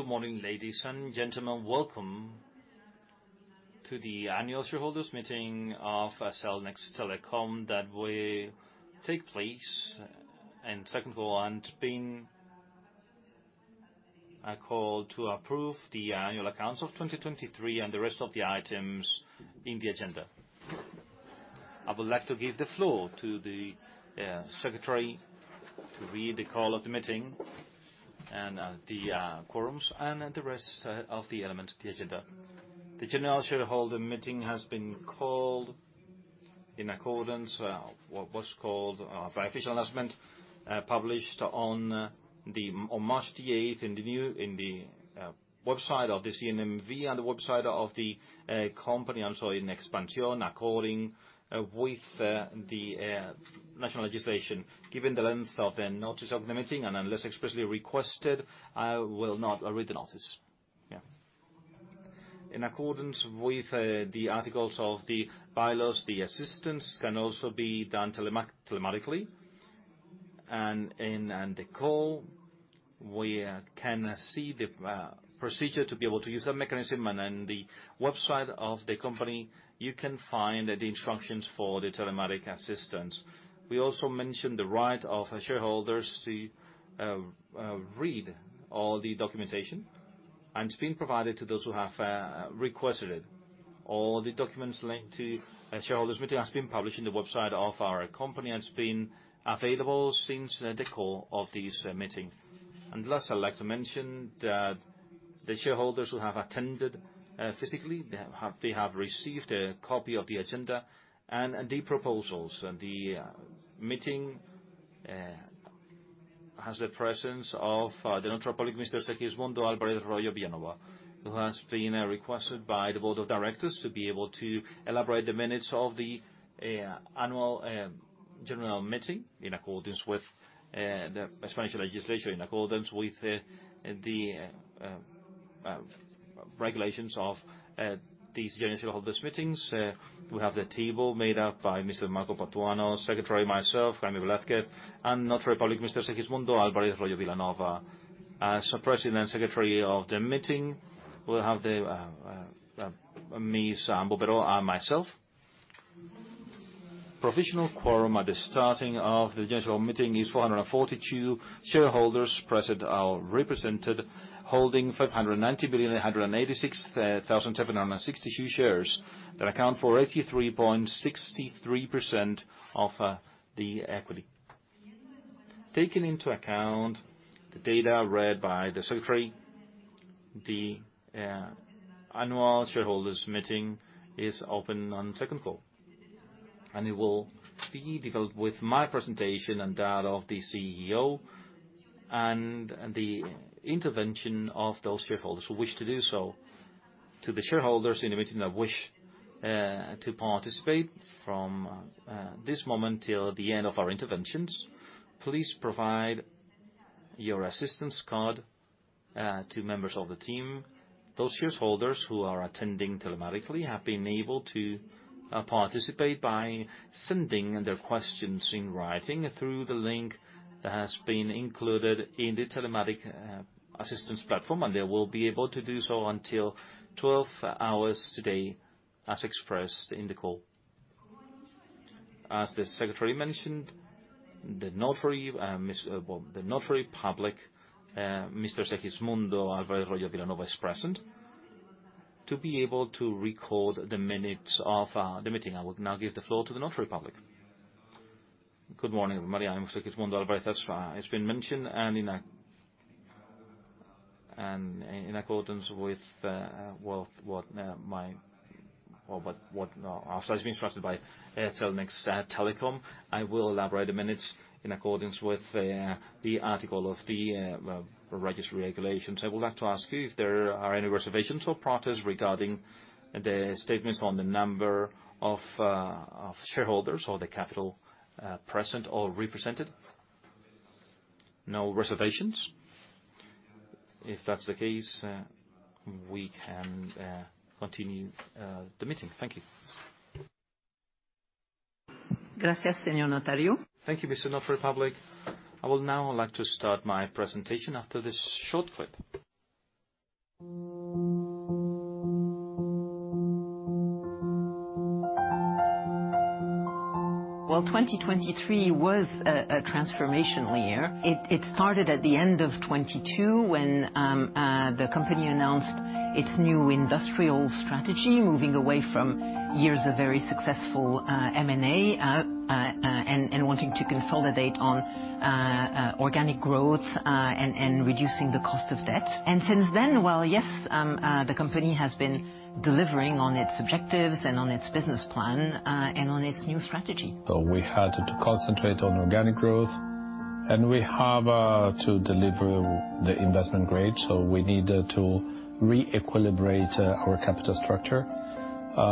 Good morning, ladies and gentlemen. Welcome to the annual shareholders meeting of Cellnex Telecom that will take place on the second floor and has been called to approve the annual accounts of 2023 and the rest of the items in the agenda. I would like to give the floor to the secretary to read the call of the meeting and the quorums and the rest of the elements of the agenda. The general shareholder meeting has been called in accordance with the official announcement published on March the eighth in the BOE, on the website of the CNMV and the website of the company, also in Expansión, in accordance with the national legislation. Given the length of the notice of the meeting, and unless expressly requested, I will not read the notice. Yeah. In accordance with the articles of the bylaws, the assistance can also be done telematically, and in the call, we can see the procedure to be able to use that mechanism. And on the website of the company, you can find the instructions for the telematic assistance. We also mention the right of shareholders to read all the documentation, and it's been provided to those who have requested it. All the documents linked to the shareholders meeting has been published in the website of our company, and it's been available since the call of this meeting. And last, I'd like to mention that the shareholders who have attended physically, they have received a copy of the agenda and the proposals. The meeting has the presence of the Notary Public, Mr. Segismundo Álvarez Royo-Villanova, who has been requested by the board of directors to be able to elaborate the minutes of the annual general meeting, in accordance with the Spanish legislation, in accordance with the regulations of these general shareholders meetings. We have the table made up by Mr. Marco Patuano, secretary, myself, Jaime Velázquez, and Notary Public, Mr. Segismundo Álvarez Royo-Villanova. As president secretary of the meeting, we have the Ms. Anne Bouverot and myself. Provisional quorum at the starting of the general meeting is 442 shareholders present or represented, holding 590,186,762 shares, that account for 83.63% of the equity. Taking into account the data read by the secretary, the annual shareholders meeting is open on second call, and it will be developed with my presentation and that of the CEO, and the intervention of those shareholders who wish to do so. To the shareholders in the meeting that wish to participate, from this moment till the end of our interventions, please provide your assistance card to members of the team. Those shareholders who are attending telematically have been able to participate by sending their questions in writing through the link that has been included in the telematic assistance platform. And they will be able to do so until 12 hours today, as expressed in the call. As the secretary mentioned, the notary, well, the Notary Public, Mr. Segismundo Álvarez Royo-Villanova is present to be able to record the minutes of the meeting. I will now give the floor to the notary public. Good morning, Maria. I'm Segismundo Álvarez, as has been mentioned, and in accordance with what I've been instructed by Cellnex Telecom, I will elaborate the minutes in accordance with the article of the registry regulations. I would like to ask you if there are any reservations or protests regarding the statements on the number of shareholders or the capital present or represented? No reservations. If that's the case, we can continue the meeting. Thank you. Gracias, Señor Notario. Thank you, Mr. Notary Public. I would now like to start my presentation after this short clip. Well, 2023 was a transformational year. It started at the end of 2022, when the company announced its new industrial strategy, moving away from years of very successful M&A, and wanting to consolidate on organic growth, and reducing the cost of debt. And since then, well, yes, the company has been delivering on its objectives and on its business plan, and on its new strategy. So we had to concentrate on organic growth, and we have to deliver the investment grade, so we need to re-equilibrate our capital structure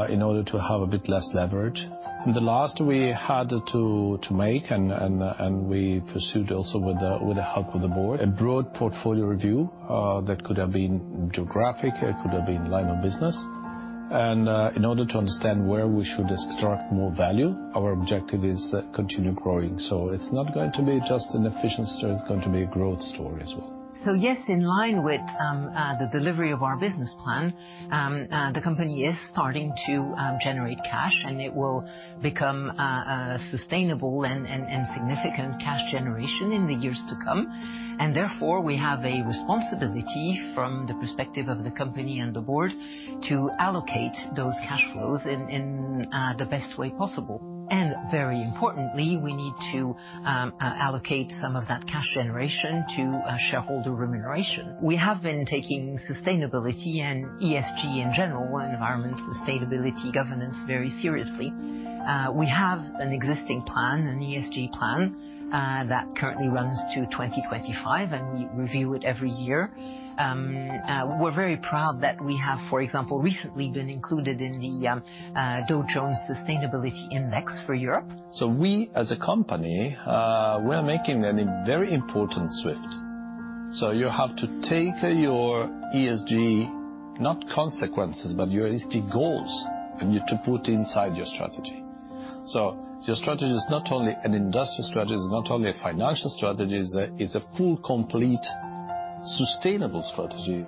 in order to have a bit less leverage. And the last we had to make and we pursued also with the help of the board a broad portfolio review that could have been geographic, it could have been line of business. And in order to understand where we should extract more value, our objective is to continue growing. So it's not going to be just an efficiency, it's going to be a growth story as well. So yes, in line with the delivery of our business plan, the company is starting to generate cash, and it will become a sustainable and significant cash generation in the years to come. And therefore, we have a responsibility from the perspective of the company and the board, to allocate those cash flows in the best way possible. And very importantly, we need to allocate some of that cash generation to shareholder remuneration. We have been taking sustainability and ESG in general, environment, sustainability, governance, very seriously. We have an existing plan, an ESG plan, that currently runs to 2025, and we review it every year. We're very proud that we have, for example, recently been included in the Dow Jones Sustainability Index for Europe. So we, as a company, we're making a very important shift. So you have to take your ESG, not consequences, but your ESG goals, and you to put inside your strategy. So your strategy is not only an industrial strategy, it's not only a financial strategy, it's a full, complete, sustainable strategy.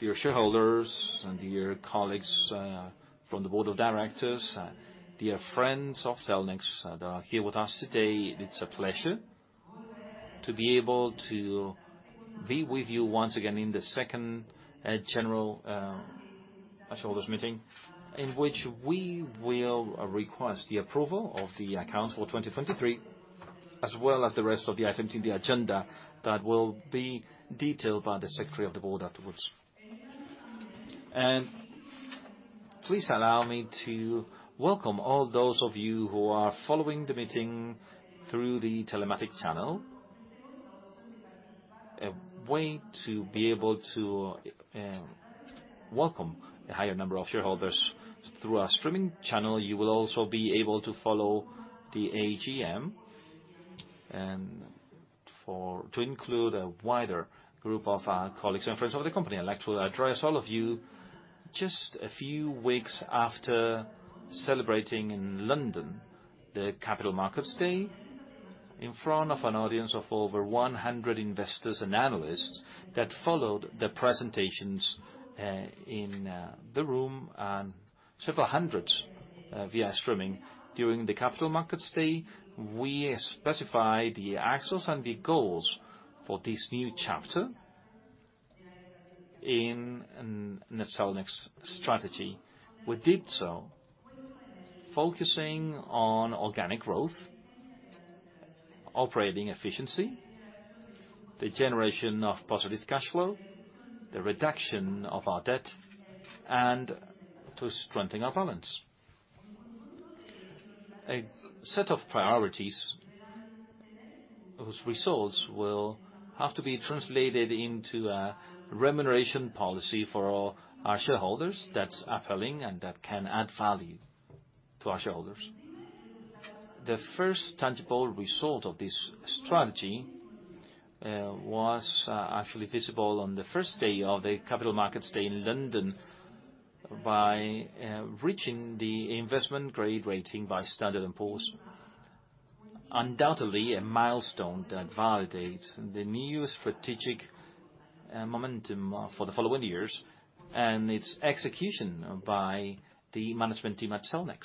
Dear shareholders, and dear colleagues from the board of directors, dear friends of Cellnex that are here with us today, it's a pleasure to be able to be with you once again in the second general shareholders meeting, in which we will request the approval of the accounts for 2023, as well as the rest of the items in the agenda that will be detailed by the secretary of the board afterwards. Please allow me to welcome all those of you who are following the meeting through the telematic channel, a way to be able to welcome a higher number of shareholders through our streaming channel. You will also be able to follow the AGM and to include a wider group of colleagues and friends of the company. I'd like to address all of you just a few weeks after celebrating in London the Capital Markets Day in front of an audience of over 100 investors and analysts that followed the presentations in the room and several hundreds via streaming. During the Capital Markets Day, we specified the axes and the goals for this new chapter in the Cellnex strategy. We did so focusing on organic growth, operating efficiency, the generation of positive cash flow, the reduction of our debt, and to strengthening our balance. A set of priorities whose results will have to be translated into a remuneration policy for all our shareholders that's appealing and that can add value to our shareholders. The first tangible result of this strategy was actually visible on the first day of the Capital Markets Day in London by reaching the Investment Grade rating by Standard & Poor's. Undoubtedly, a milestone that validates the new strategic momentum for the following years and its execution by the management team at Cellnex.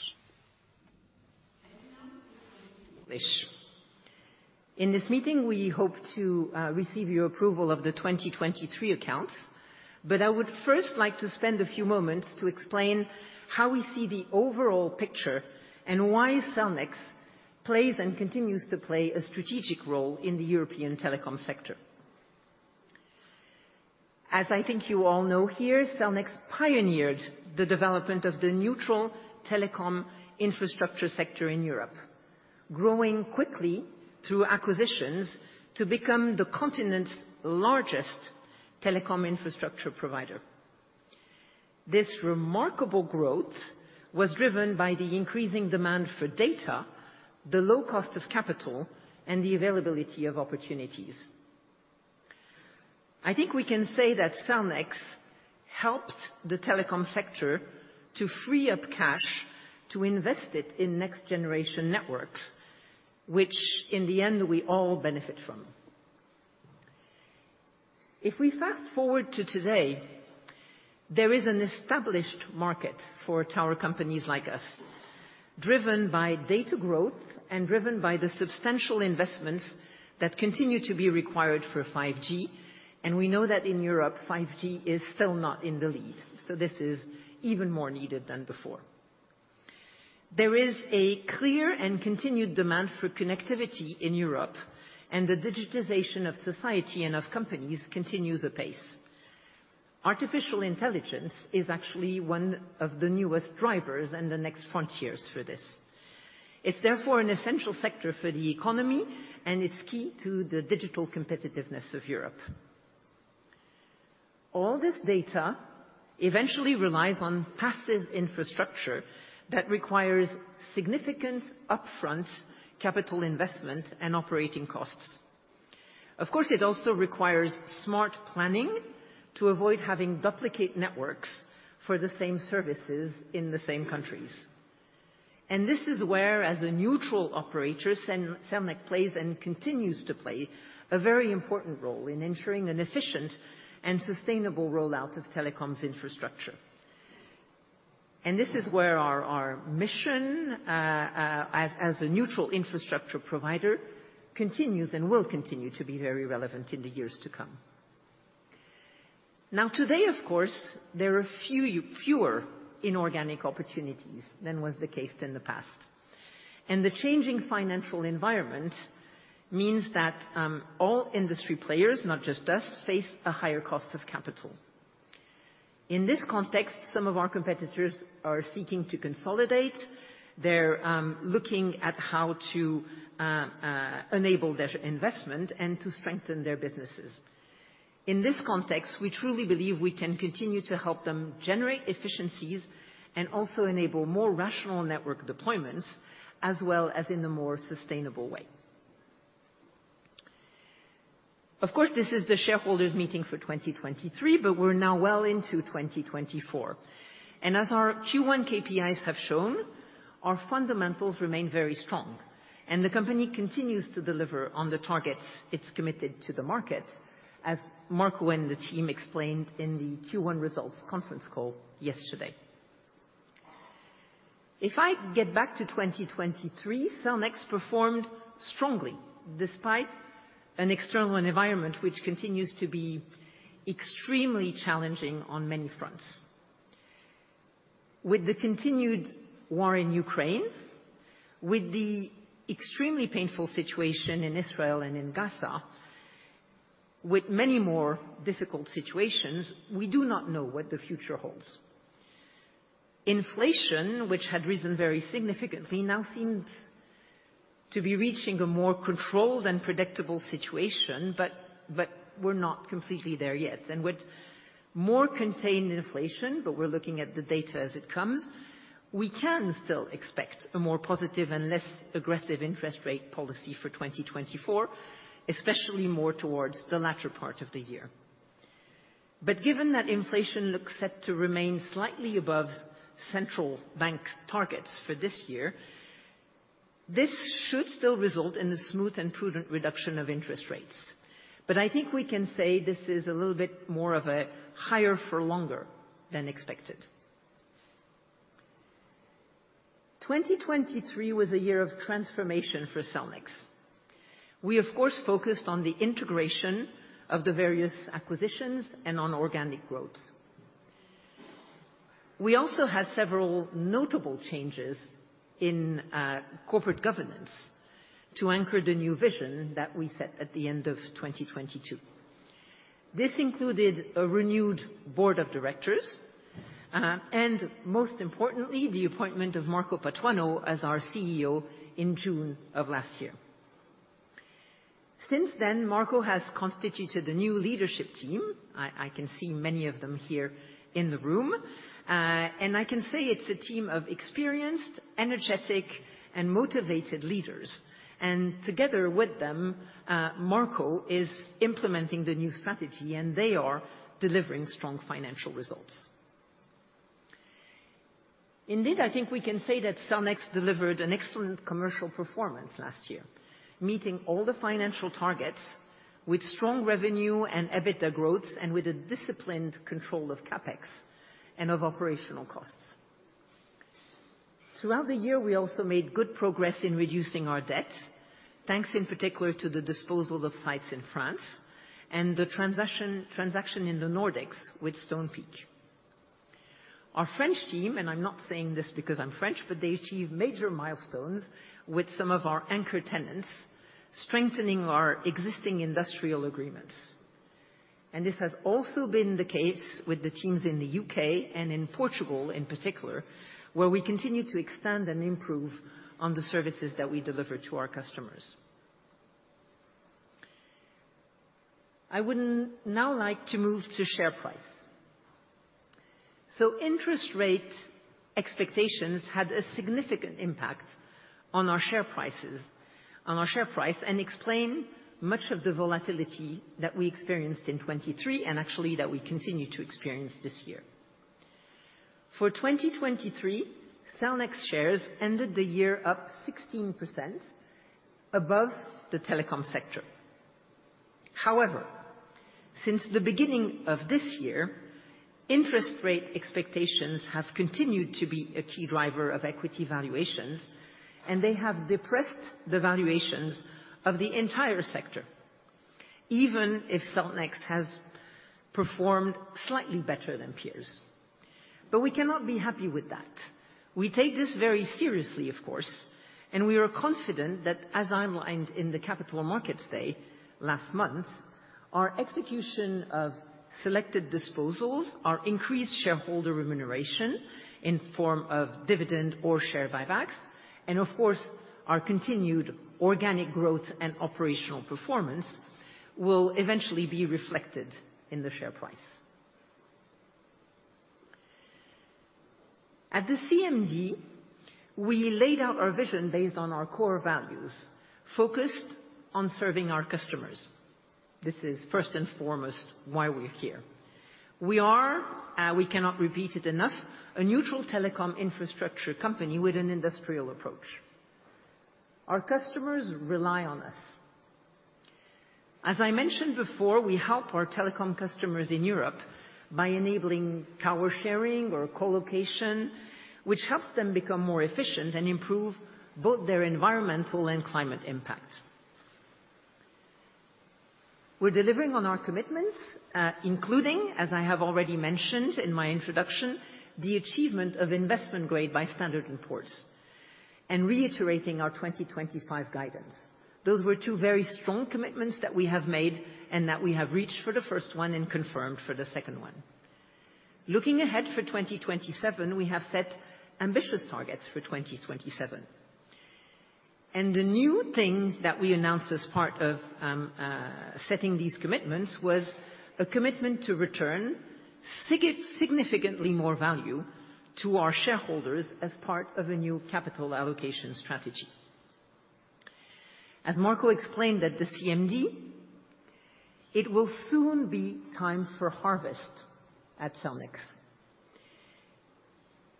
In this meeting, we hope to receive your approval of the 2023 accounts, but I would first like to spend a few moments to explain how we see the overall picture, and why Cellnex plays and continues to play a strategic role in the European telecom sector. As I think you all know here, Cellnex pioneered the development of the neutral telecom infrastructure sector in Europe, growing quickly through acquisitions to become the continent's largest telecom infrastructure provider. This remarkable growth was driven by the increasing demand for data, the low cost of capital, and the availability of opportunities. I think we can say that Cellnex helped the telecom sector to free up cash to invest it in next-generation networks, which in the end, we all benefit from. If we fast-forward to today, there is an established market for tower companies like us, driven by data growth and driven by the substantial investments that continue to be required for 5G. We know that in Europe, 5G is still not in the lead, so this is even more needed than before. There is a clear and continued demand for connectivity in Europe, and the digitization of society and of companies continues apace. Artificial intelligence is actually one of the newest drivers and the next frontiers for this. It's therefore an essential sector for the economy, and it's key to the digital competitiveness of Europe.... All this data eventually relies on passive infrastructure that requires significant upfront capital investment and operating costs. Of course, it also requires smart planning to avoid having duplicate networks for the same services in the same countries. This is where, as a neutral operator, Cellnex plays and continues to play a very important role in ensuring an efficient and sustainable rollout of telecoms infrastructure. This is where our mission, as a neutral infrastructure provider continues and will continue to be very relevant in the years to come. Now, today, of course, there are fewer inorganic opportunities than was the case in the past. The changing financial environment means that all industry players, not just us, face a higher cost of capital. In this context, some of our competitors are seeking to consolidate. They're looking at how to enable their investment and to strengthen their businesses. In this context, we truly believe we can continue to help them generate efficiencies and also enable more rational network deployments, as well as in a more sustainable way. Of course, this is the shareholders' meeting for 2023, but we're now well into 2024. And as our Q1 KPIs have shown, our fundamentals remain very strong, and the company continues to deliver on the targets it's committed to the market, as Marco and the team explained in the Q1 results conference call yesterday. If I get back to 2023, Cellnex performed strongly despite an external environment, which continues to be extremely challenging on many fronts. With the continued war in Ukraine, with the extremely painful situation in Israel and in Gaza, with many more difficult situations, we do not know what the future holds. Inflation, which had risen very significantly, now seems to be reaching a more controlled and predictable situation, but we're not completely there yet. With more contained inflation, but we're looking at the data as it comes, we can still expect a more positive and less aggressive interest rate policy for 2024, especially more towards the latter part of the year. But given that inflation looks set to remain slightly above central bank targets for this year, this should still result in a smooth and prudent reduction of interest rates. But I think we can say this is a little bit more of a higher for longer than expected. 2023 was a year of transformation for Cellnex. We, of course, focused on the integration of the various acquisitions and on organic growth. We also had several notable changes in corporate governance to anchor the new vision that we set at the end of 2022. This included a renewed board of directors, and most importantly, the appointment of Marco Patuano as our CEO in June of last year. Since then, Marco has constituted a new leadership team. I can see many of them here in the room. And I can say it's a team of experienced, energetic, and motivated leaders, and together with them, Marco is implementing the new strategy, and they are delivering strong financial results. Indeed, I think we can say that Cellnex delivered an excellent commercial performance last year, meeting all the financial targets with strong revenue and EBITDA growth and with a disciplined control of CapEx and of operational costs. Throughout the year, we also made good progress in reducing our debt, thanks in particular to the disposal of sites in France and the transaction in the Nordics with Stonepeak. Our French team, and I'm not saying this because I'm French, but they achieved major milestones with some of our anchor tenants, strengthening our existing industrial agreements. This has also been the case with the teams in the U.K. and in Portugal, in particular, where we continue to extend and improve on the services that we deliver to our customers. I would now like to move to share price. So interest rate expectations had a significant impact on our share prices, on our share price, and explain much of the volatility that we experienced in 2023, and actually that we continue to experience this year. For 2023, Cellnex shares ended the year up 16% above the telecom sector. However, since the beginning of this year, interest rate expectations have continued to be a key driver of equity valuations, and they have depressed the valuations of the entire sector, even if Cellnex has performed slightly better than peers. We cannot be happy with that. We take this very seriously, of course, and we are confident that, as outlined in the Capital Markets Day last month, our execution of selected disposals, our increased shareholder remuneration in form of dividend or share buybacks, and of course, our continued organic growth and operational performance will eventually be reflected in the share price. At the CMD, we laid out our vision based on our core values, focused on serving our customers. This is first and foremost why we're here. We are, we cannot repeat it enough, a neutral telecom infrastructure company with an industrial approach. Our customers rely on us. As I mentioned before, we help our telecom customers in Europe by enabling tower sharing or co-location, which helps them become more efficient and improve both their environmental and climate impact. We're delivering on our commitments, including, as I have already mentioned in my introduction, the achievement of Investment Grade by Standard & Poor's, and reiterating our 2025 guidance. Those were two very strong commitments that we have made, and that we have reached for the first one and confirmed for the second one. Looking ahead for 2027, we have set ambitious targets for 2027. The new thing that we announced as part of setting these commitments was a commitment to return significantly more value to our shareholders as part of a new capital allocation strategy. As Marco explained at the CMD, it will soon be time for harvest at Cellnex.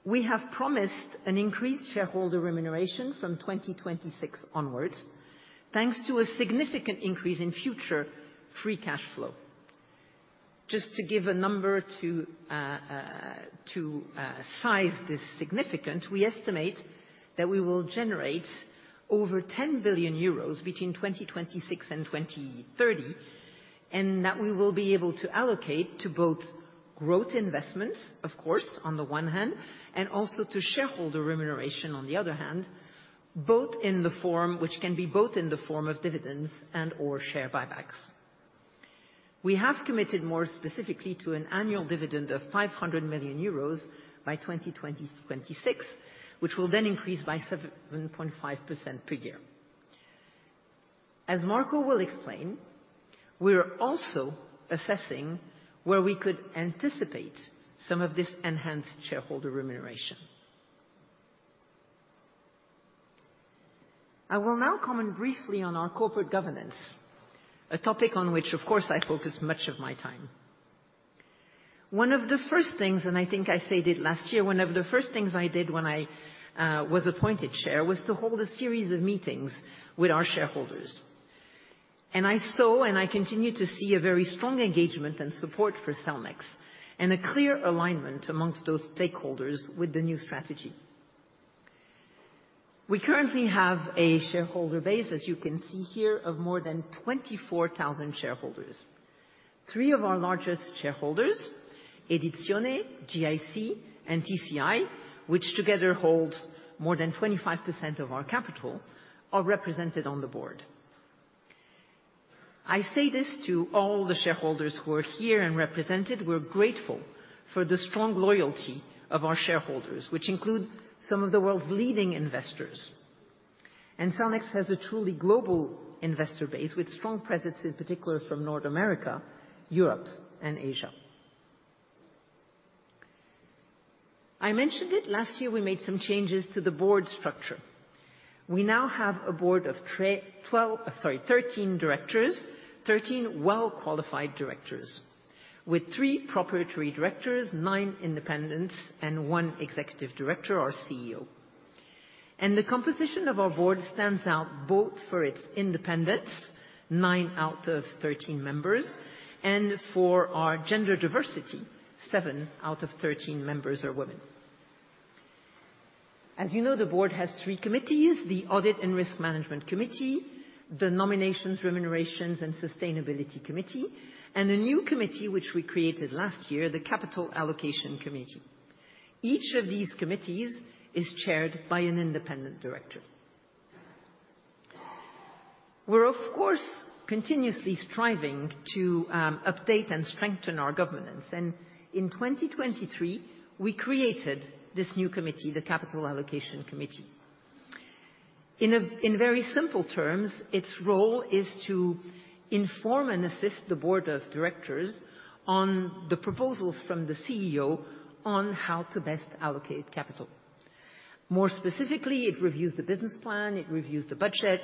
We have promised an increased shareholder remuneration from 2026 onwards, thanks to a significant increase in future free cash flow. Just to give a number to size this significant, we estimate that we will generate over 10 billion euros between 2026 and 2030, and that we will be able to allocate to both growth investments, of course, on the one hand, and also to shareholder remuneration on the other hand, both in the form, which can be both in the form of dividends and/or share buybacks. We have committed more specifically to an annual dividend of 500 million euros by 2026, which will then increase by 7.5% per year. As Marco will explain, we're also assessing where we could anticipate some of this enhanced shareholder remuneration. I will now comment briefly on our corporate governance, a topic on which, of course, I focus much of my time. One of the first things, and I think I stated last year, one of the first things I did when I was appointed chair, was to hold a series of meetings with our shareholders. I saw, and I continue to see a very strong engagement and support for Cellnex, and a clear alignment amongst those stakeholders with the new strategy. We currently have a shareholder base, as you can see here, of more than 24,000 shareholders. Three of our largest shareholders, Edizione, GIC and TCI, which together hold more than 25% of our capital, are represented on the board. I say this to all the shareholders who are here and represented, we're grateful for the strong loyalty of our shareholders, which include some of the world's leading investors. Cellnex has a truly global investor base, with strong presence, in particular from North America, Europe and Asia. I mentioned it last year, we made some changes to the board structure. We now have a board of 12, sorry, 13 directors. Thirteen well-qualified directors, with three proprietary directors, nine independents, and one executive director, our CEO. The composition of our board stands out both for its independence, nine out of 13 members, and for our gender diversity, seven out of 13 members are women. As you know, the board has three committees: the Audit and Risk Management Committee, the Nominations, Remuneration and Sustainability Committee, and a new committee, which we created last year, the Capital Allocation Committee. Each of these committees is chaired by an independent director. We're, of course, continuously striving to update and strengthen our governance, and in 2023, we created this new committee, the Capital Allocation Committee. In very simple terms, its role is to inform and assist the board of directors on the proposals from the CEO on how to best allocate capital. More specifically, it reviews the business plan, it reviews the budget,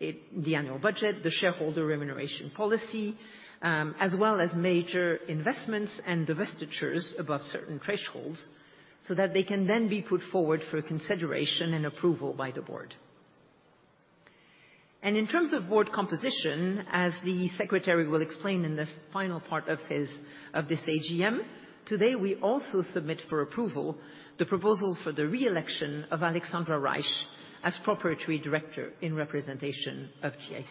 the annual budget, the shareholder remuneration policy, as well as major investments and divestitures above certain thresholds, so that they can then be put forward for consideration and approval by the board. In terms of board composition, as the secretary will explain in the final part of his, of this AGM, today, we also submit for approval the proposal for the re-election of Alexandra Reich as proprietary director in representation of GIC.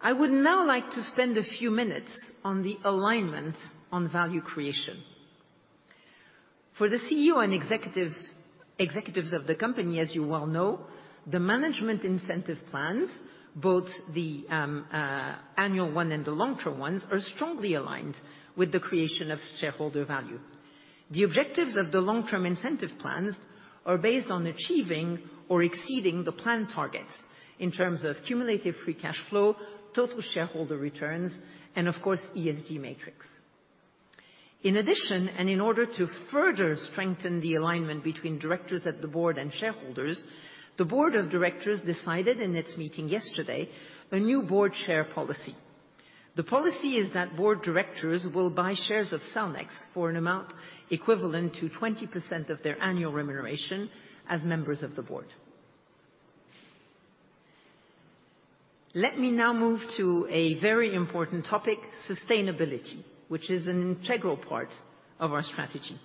I would now like to spend a few minutes on the alignment on value creation. For the CEO and executive, executives of the company, as you well know, the management incentive plans, both the annual one and the long-term ones, are strongly aligned with the creation of shareholder value. The objectives of the long-term incentive plans are based on achieving or exceeding the plan targets in terms of cumulative Free Cash Flow, total shareholder returns, and of course, ESG matrix. In addition, and in order to further strengthen the alignment between directors at the board and shareholders, the board of directors decided in its meeting yesterday, a new board share policy. The policy is that board directors will buy shares of Cellnex for an amount equivalent to 20% of their annual remuneration as members of the board. Let me now move to a very important topic, sustainability, which is an integral part of our strategy.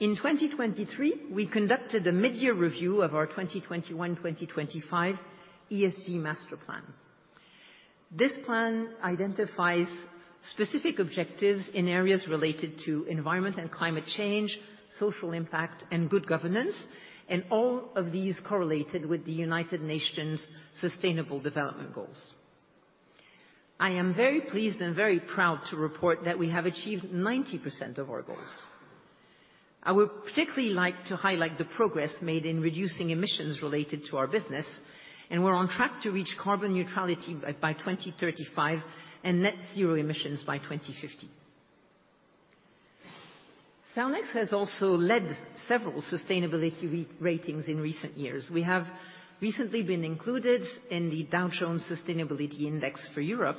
In 2023, we conducted a mid-year review of our 2021-2025 ESG master plan. This plan identifies specific objectives in areas related to environment and climate change, social impact, and good governance, and all of these correlated with the United Nations Sustainable Development Goals. I am very pleased and very proud to report that we have achieved 90% of our goals. I would particularly like to highlight the progress made in reducing emissions related to our business, and we're on track to reach carbon neutrality by 2035 and net zero emissions by 2050. Cellnex has also led several sustainability re-ratings in recent years. We have recently been included in the Dow Jones Sustainability Index for Europe,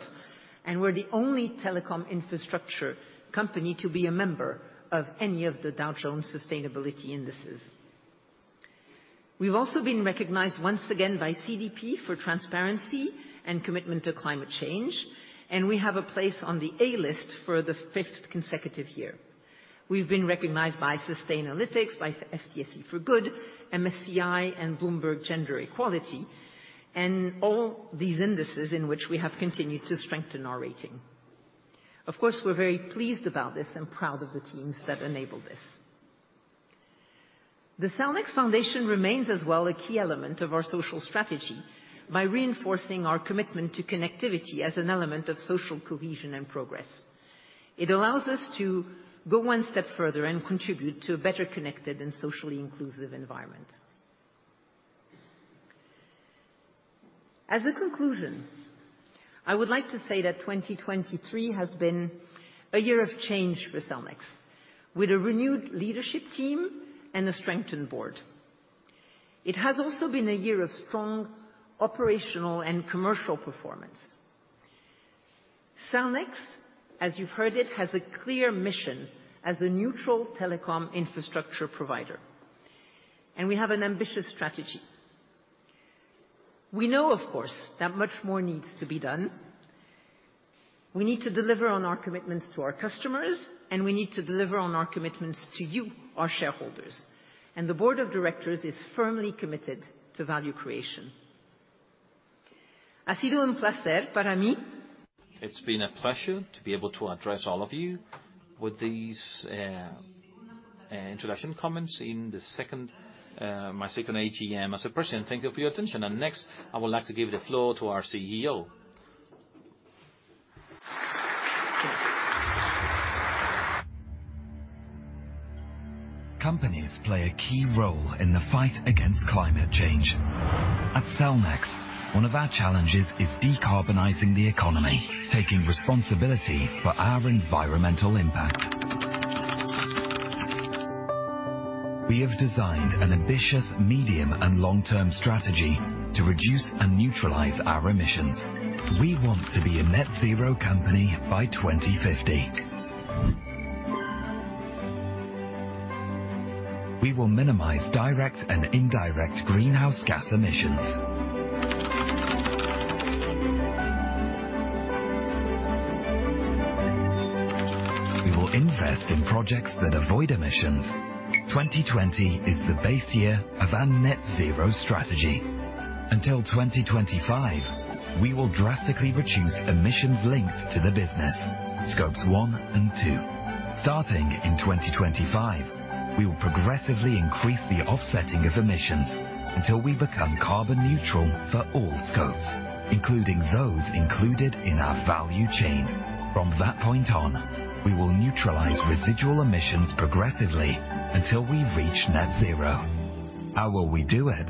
and we're the only telecom infrastructure company to be a member of any of the Dow Jones Sustainability Indices. We've also been recognized once again by CDP for transparency and commitment to climate change, and we have a place on the A list for the fifth consecutive year. We've been recognized by Sustainalytics, by FTSE4Good, MSCI, and Bloomberg Gender Equality, and all these indices in which we have continued to strengthen our rating. Of course, we're very pleased about this and proud of the teams that enable this. The Cellnex Foundation remains as well a key element of our social strategy by reinforcing our commitment to connectivity as an element of social cohesion and progress. It allows us to go one step further and contribute to a better connected and socially inclusive environment. As a conclusion, I would like to say that 2023 has been a year of change for Cellnex, with a renewed leadership team and a strengthened board. It has also been a year of strong operational and commercial performance. Cellnex, as you've heard it, has a clear mission as a neutral telecom infrastructure provider, and we have an ambitious strategy. We know, of course, that much more needs to be done. We need to deliver on our commitments to our customers, and we need to deliver on our commitments to you, our shareholders, and the board of directors is firmly committed to value creation. It's been a pleasure to be able to address all of you with these, introduction comments in the second, my second AGM as a person. Thank you for your attention. And next, I would like to give the floor to our CEO. Companies play a key role in the fight against climate change. At Cellnex, one of our challenges is decarbonizing the economy, taking responsibility for our environmental impact. We have designed an ambitious medium and long-term strategy to reduce and neutralize our emissions. We want to be a net zero company by 2050. We will minimize direct and indirect greenhouse gas emissions. We will invest in projects that avoid emissions. 2020 is the base year of our net zero strategy. Until 2025, we will drastically reduce emissions linked to the business, scopes 1 and 2. Starting in 2025, we will progressively increase the offsetting of emissions until we become carbon neutral for all scopes, including those included in our value chain. From that point on, we will neutralize residual emissions progressively until we reach net zero. How will we do it?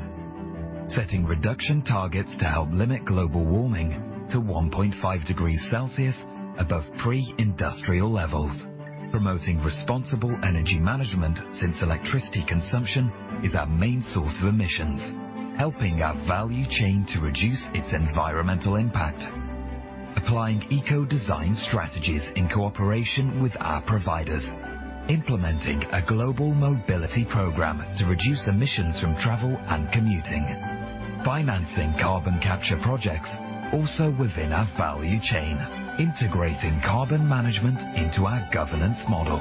Setting reduction targets to help limit global warming to 1.5 degrees Celsius above pre-industrial levels. Promoting responsible energy management, since electricity consumption is our main source of emissions. Helping our value chain to reduce its environmental impact. Applying eco design strategies in cooperation with our providers. Implementing a global mobility program to reduce emissions from travel and commuting. Financing carbon capture projects also within our value chain. Integrating carbon management into our governance model.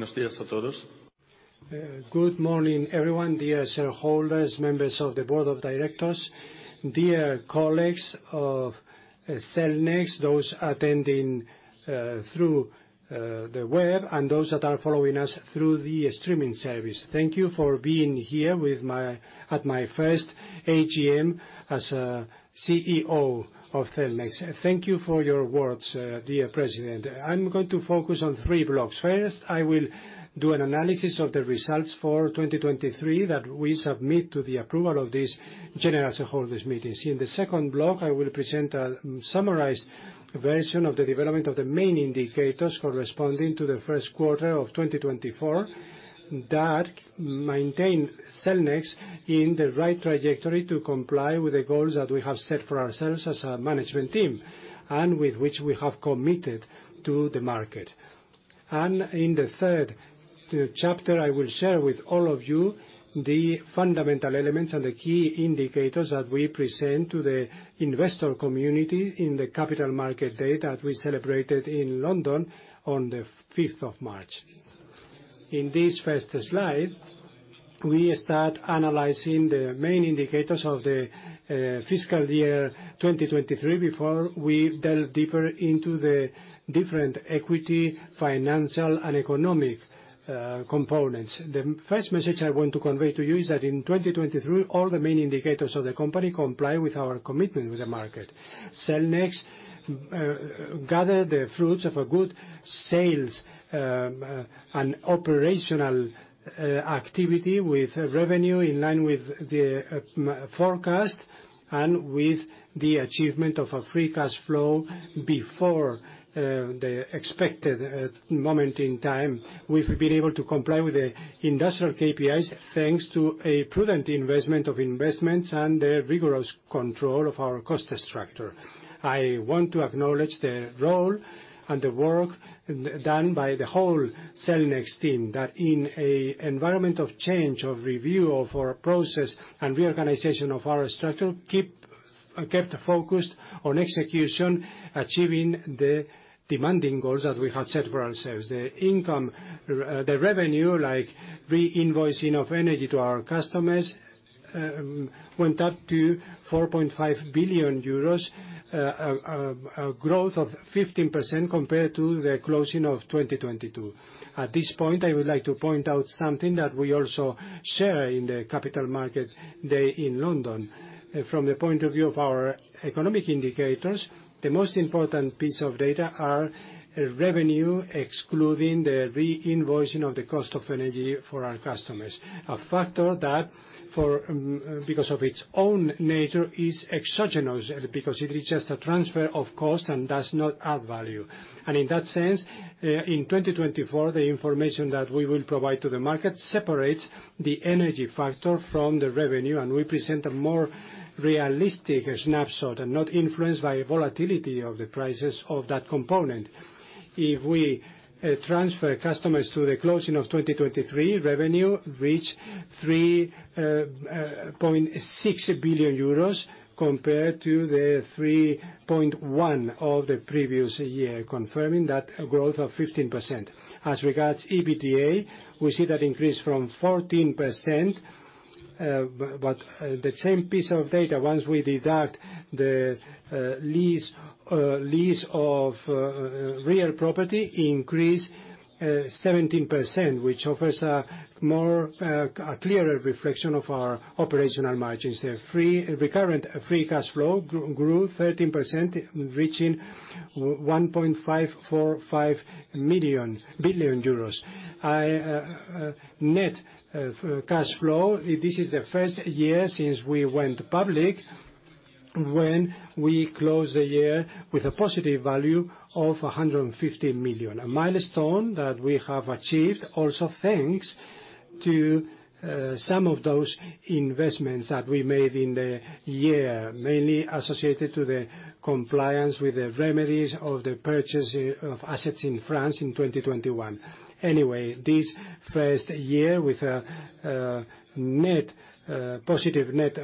Buenos días a todos. Good morning, everyone, dear shareholders, members of the board of directors, dear colleagues of Cellnex, those attending through the web, and those that are following us through the streaming service. Thank you for being here at my first AGM as CEO of Cellnex. Thank you for your words, dear President. I'm going to focus on three blocks. First, I will do an analysis of the results for 2023 that we submit to the approval of this general shareholders meetings. In the second block, I will present a summarized version of the development of the main indicators corresponding to the first quarter of 2024, that maintain Cellnex in the right trajectory to comply with the goals that we have set for ourselves as a management team, and with which we have committed to the market. And in the third chapter, I will share with all of you the fundamental elements and the key indicators that we present to the investor community in the Capital Markets Day that we celebrated in London on the fifth of March. In this first slide, we start analyzing the main indicators of the fiscal year 2023 before we delve deeper into the different equity, financial, and economic components. The first message I want to convey to you is that in 2023, all the main indicators of the company comply with our commitment with the market. Cellnex gathered the fruits of a good sales and operational activity, with revenue in line with the forecast, and with the achievement of a Free Cash Flow before the expected moment in time. We've been able to comply with the industrial KPIs, thanks to a prudent investment of investments and the rigorous control of our cost structure. I want to acknowledge the role and the work done by the whole Cellnex team, that in an environment of change, of review, of our process, and reorganization of our structure, kept focused on execution, achieving the demanding goals that we had set for ourselves. The revenue, like re-invoicing of energy to our customers, went up to 4.5 billion euros, a growth of 15% compared to the closing of 2022. At this point, I would like to point out something that we also share in the Capital Markets Day in London. From the point of view of our economic indicators, the most important piece of data are revenue, excluding the re-invoicing of the cost of energy for our customers, a factor that for, because of its own nature, is exogenous, because it is just a transfer of cost and does not add value. And in that sense, in 2024, the information that we will provide to the market separates the energy factor from the revenue, and we present a more realistic snapshot, and not influenced by volatility of the prices of that component. If we transfer customers to the closing of 2023, revenue reached 3.6 billion euros, compared to the 3.1 billion of the previous year, confirming that growth of 15%. As regards EBITDA, we see that increase from 14%, but the same piece of data, once we deduct the lease of real property, increase 17%, which offers a more a clearer reflection of our operational margins. The recurrent free cash flow grew 13%, reaching 1.545 billion euros. Net cash flow, this is the first year since we went public, when we close the year with a positive value of 150 million, a milestone that we have achieved also thanks to some of those investments that we made in the year, mainly associated to the compliance with the remedies of the purchase of assets in France in 2021. Anyway, this first year with a net positive net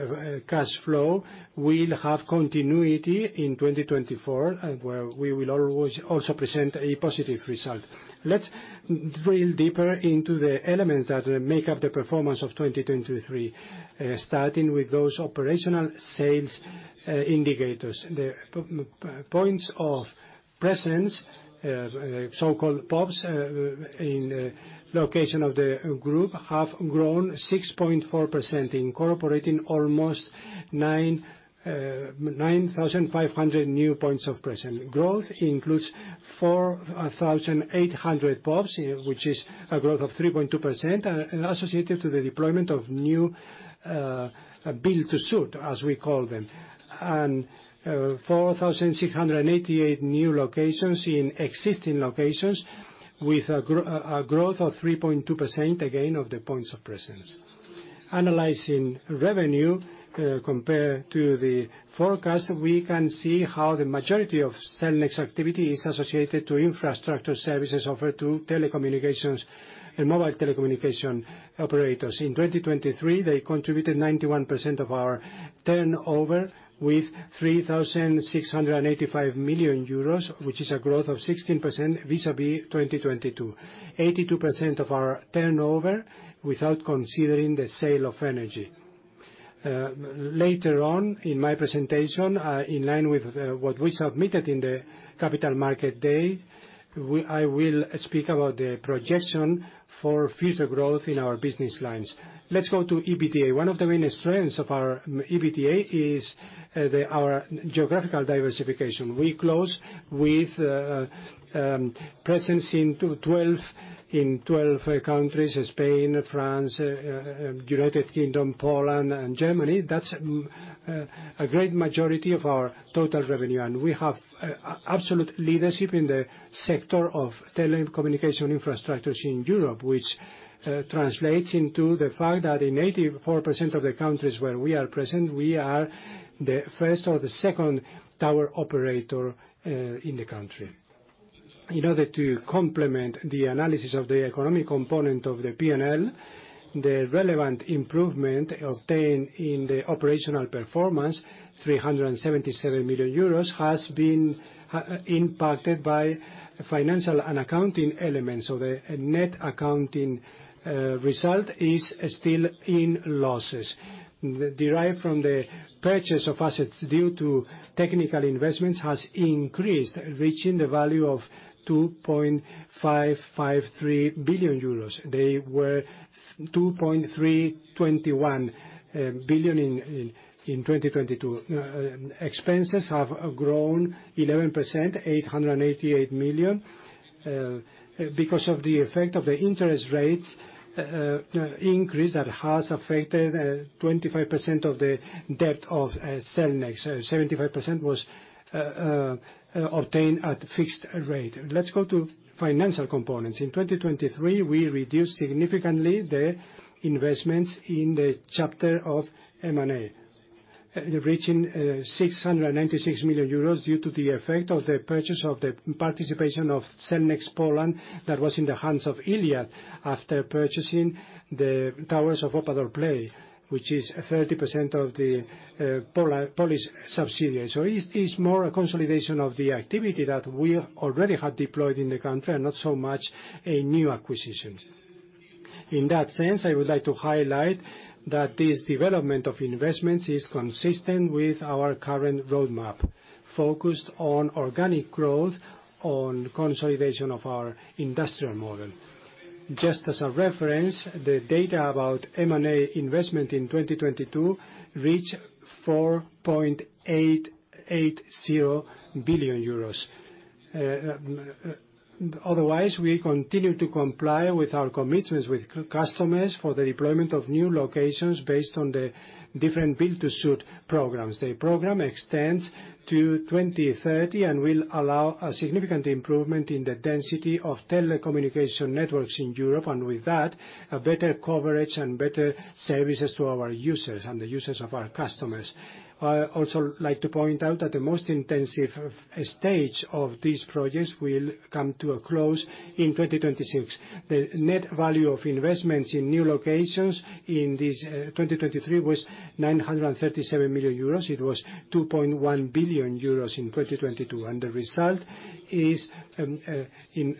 cash flow, we'll have continuity in 2024, and where we will always also present a positive result. Let's drill deeper into the elements that make up the performance of 2023, starting with those operational sales indicators. The points of presence, so-called POPs, in location of the group, have grown 6.4%, incorporating almost 9,500 new points of presence. Growth includes 4,800 POPs, which is a growth of 3.2%, and associated to the deployment of new build to suit, as we call them. And 4,688 new locations in existing locations, with a growth of 3.2%, again, of the points of presence. Analyzing revenue compared to the forecast, we can see how the majority of Cellnex activity is associated to infrastructure services offered to telecommunications and mobile telecommunication operators. In 2023, they contributed 91% of our turnover, with 3,685 million euros, which is a growth of 16% vis-à-vis 2022. 82% of our turnover without considering the sale of energy. Later on in my presentation, in line with what we submitted in the Capital Markets Day, I will speak about the projection for future growth in our business lines. Let's go to EBITDA. One of the main strengths of our EBITDA is our geographical diversification. We close with presence in 12 countries: Spain, France, United Kingdom, Poland, and Germany. That's a great majority of our total revenue, and we have absolute leadership in the sector of telecommunication infrastructures in Europe, which translates into the fact that in 84% of the countries where we are present, we are the first or the second tower operator in the country. In order to complement the analysis of the economic component of the P&L, the relevant improvement obtained in the operational performance, 377 million euros, has been impacted by financial and accounting elements, so the net accounting result is still in losses. Derived from the purchase of assets due to technical investments has increased, reaching the value of 2.553 billion euros. They were 2.321 billion in 2022. Expenses have grown 11%, 888 million, because of the effect of the interest rates increase that has affected 25% of the debt of Cellnex. 75% was obtained at fixed rate. Let's go to financial components. In 2023, we reduced significantly the investments in the chapter of M&A, reaching 696 million euros due to the effect of the purchase of the participation of Cellnex Poland that was in the hands of Iliad after purchasing the towers of operator Play, which is 30% of the Polish subsidiary. So it's more a consolidation of the activity that we already had deployed in the country and not so much a new acquisition. In that sense, I would like to highlight that this development of investments is consistent with our current roadmap, focused on organic growth, on consolidation of our industrial model. Just as a reference, the data about M&A investment in 2022 reached 4.880 billion euros. Otherwise, we continue to comply with our commitments with customers for the deployment of new locations based on the different build-to-suit programs. The program extends to 2030, and will allow a significant improvement in the density of telecommunication networks in Europe, and with that, a better coverage and better services to our users and the users of our customers. I also like to point out that the most intensive stage of these projects will come to a close in 2026. The net value of investments in new locations in this 2023 was 937 million euros. It was 2.1 billion euros in 2022, and the result is in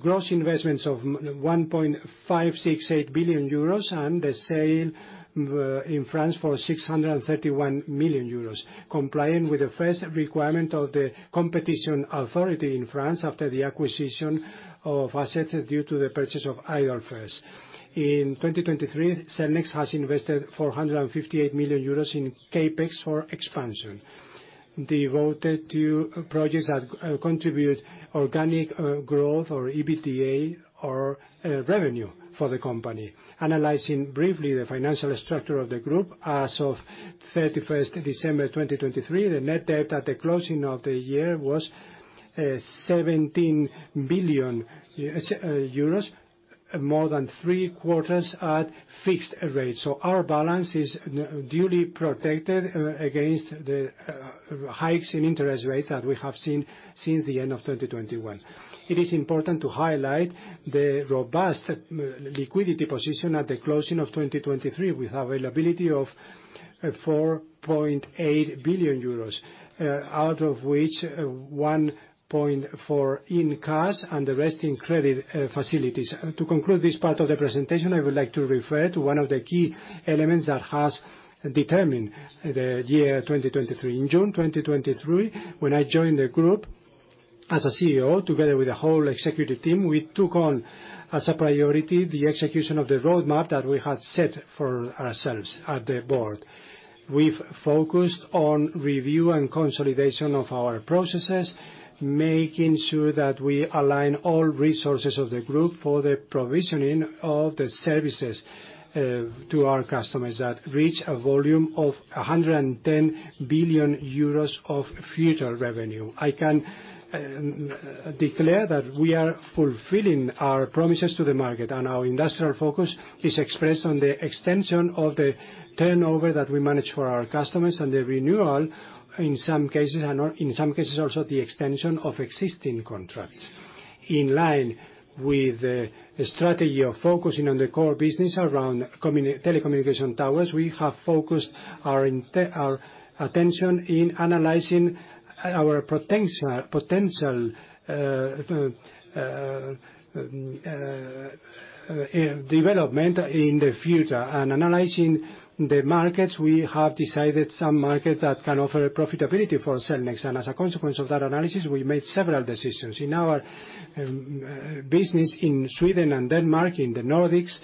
gross investments of 1.568 billion euros, and the sale in France for 631 million euros, complying with the first requirement of the competition authority in France after the acquisition of assets due to the purchase of Iliad first. In 2023, Cellnex has invested 458 million euros in CapEx for expansion, devoted to projects that contribute organic growth or EBITDA or revenue for the company. Analyzing briefly the financial structure of the group, as of 31 December 2023, the net debt at the closing of the year was 17 billion euros, more than three quarters at fixed rate. Our balance is duly protected against the hikes in interest rates that we have seen since the end of 2021. It is important to highlight the robust liquidity position at the closing of 2023, with availability of 4.8 billion euros, out of which 1.4 billion in cash and the rest in credit facilities. To conclude this part of the presentation, I would like to refer to one of the key elements that has determined the year 2023. In June 2023, when I joined the group as a CEO, together with the whole executive team, we took on, as a priority, the execution of the roadmap that we had set for ourselves at the board. We've focused on review and consolidation of our processes, making sure that we align all resources of the group for the provisioning of the services to our customers that reach a volume of 110 billion euros of future revenue. I can declare that we are fulfilling our promises to the market, and our industrial focus is expressed on the extension of the turnover that we manage for our customers and the renewal, in some cases, and in some cases, also the extension of existing contracts.... In line with the strategy of focusing on the core business around telecommunication towers, we have focused our attention in analyzing our potential development in the future. And analyzing the markets, we have decided some markets that can offer profitability for Cellnex. And as a consequence of that analysis, we made several decisions. In our business in Sweden and Denmark, in the Nordics,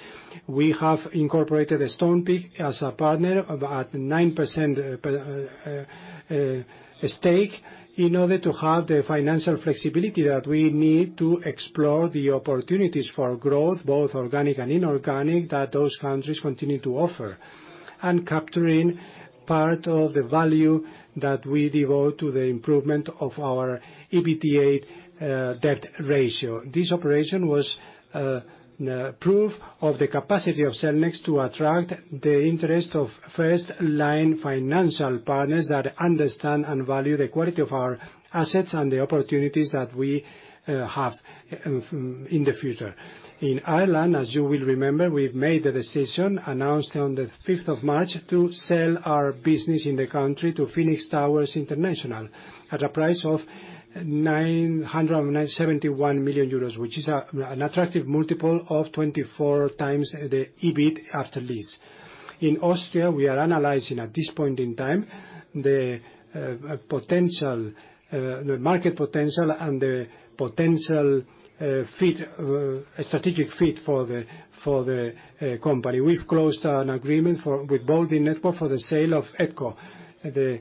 we have incorporated Stonepeak as a partner of about 9% a stake, in order to have the financial flexibility that we need to explore the opportunities for growth, both organic and inorganic, that those countries continue to offer, and capturing part of the value that we devote to the improvement of our EBITDA debt ratio. This operation was proof of the capacity of Cellnex to attract the interest of first-line financial partners that understand and value the quality of our assets and the opportunities that we have in the future. In Ireland, as you will remember, we've made the decision, announced on the fifth of March, to sell our business in the country to Phoenix Towers International at a price of 991 million euros, which is an attractive multiple of 24x the EBIT after lease. In Austria, we are analyzing, at this point in time, the market potential and the strategic fit for the company. We've closed an agreement with Boldyn Networks for the sale of Edzcom, the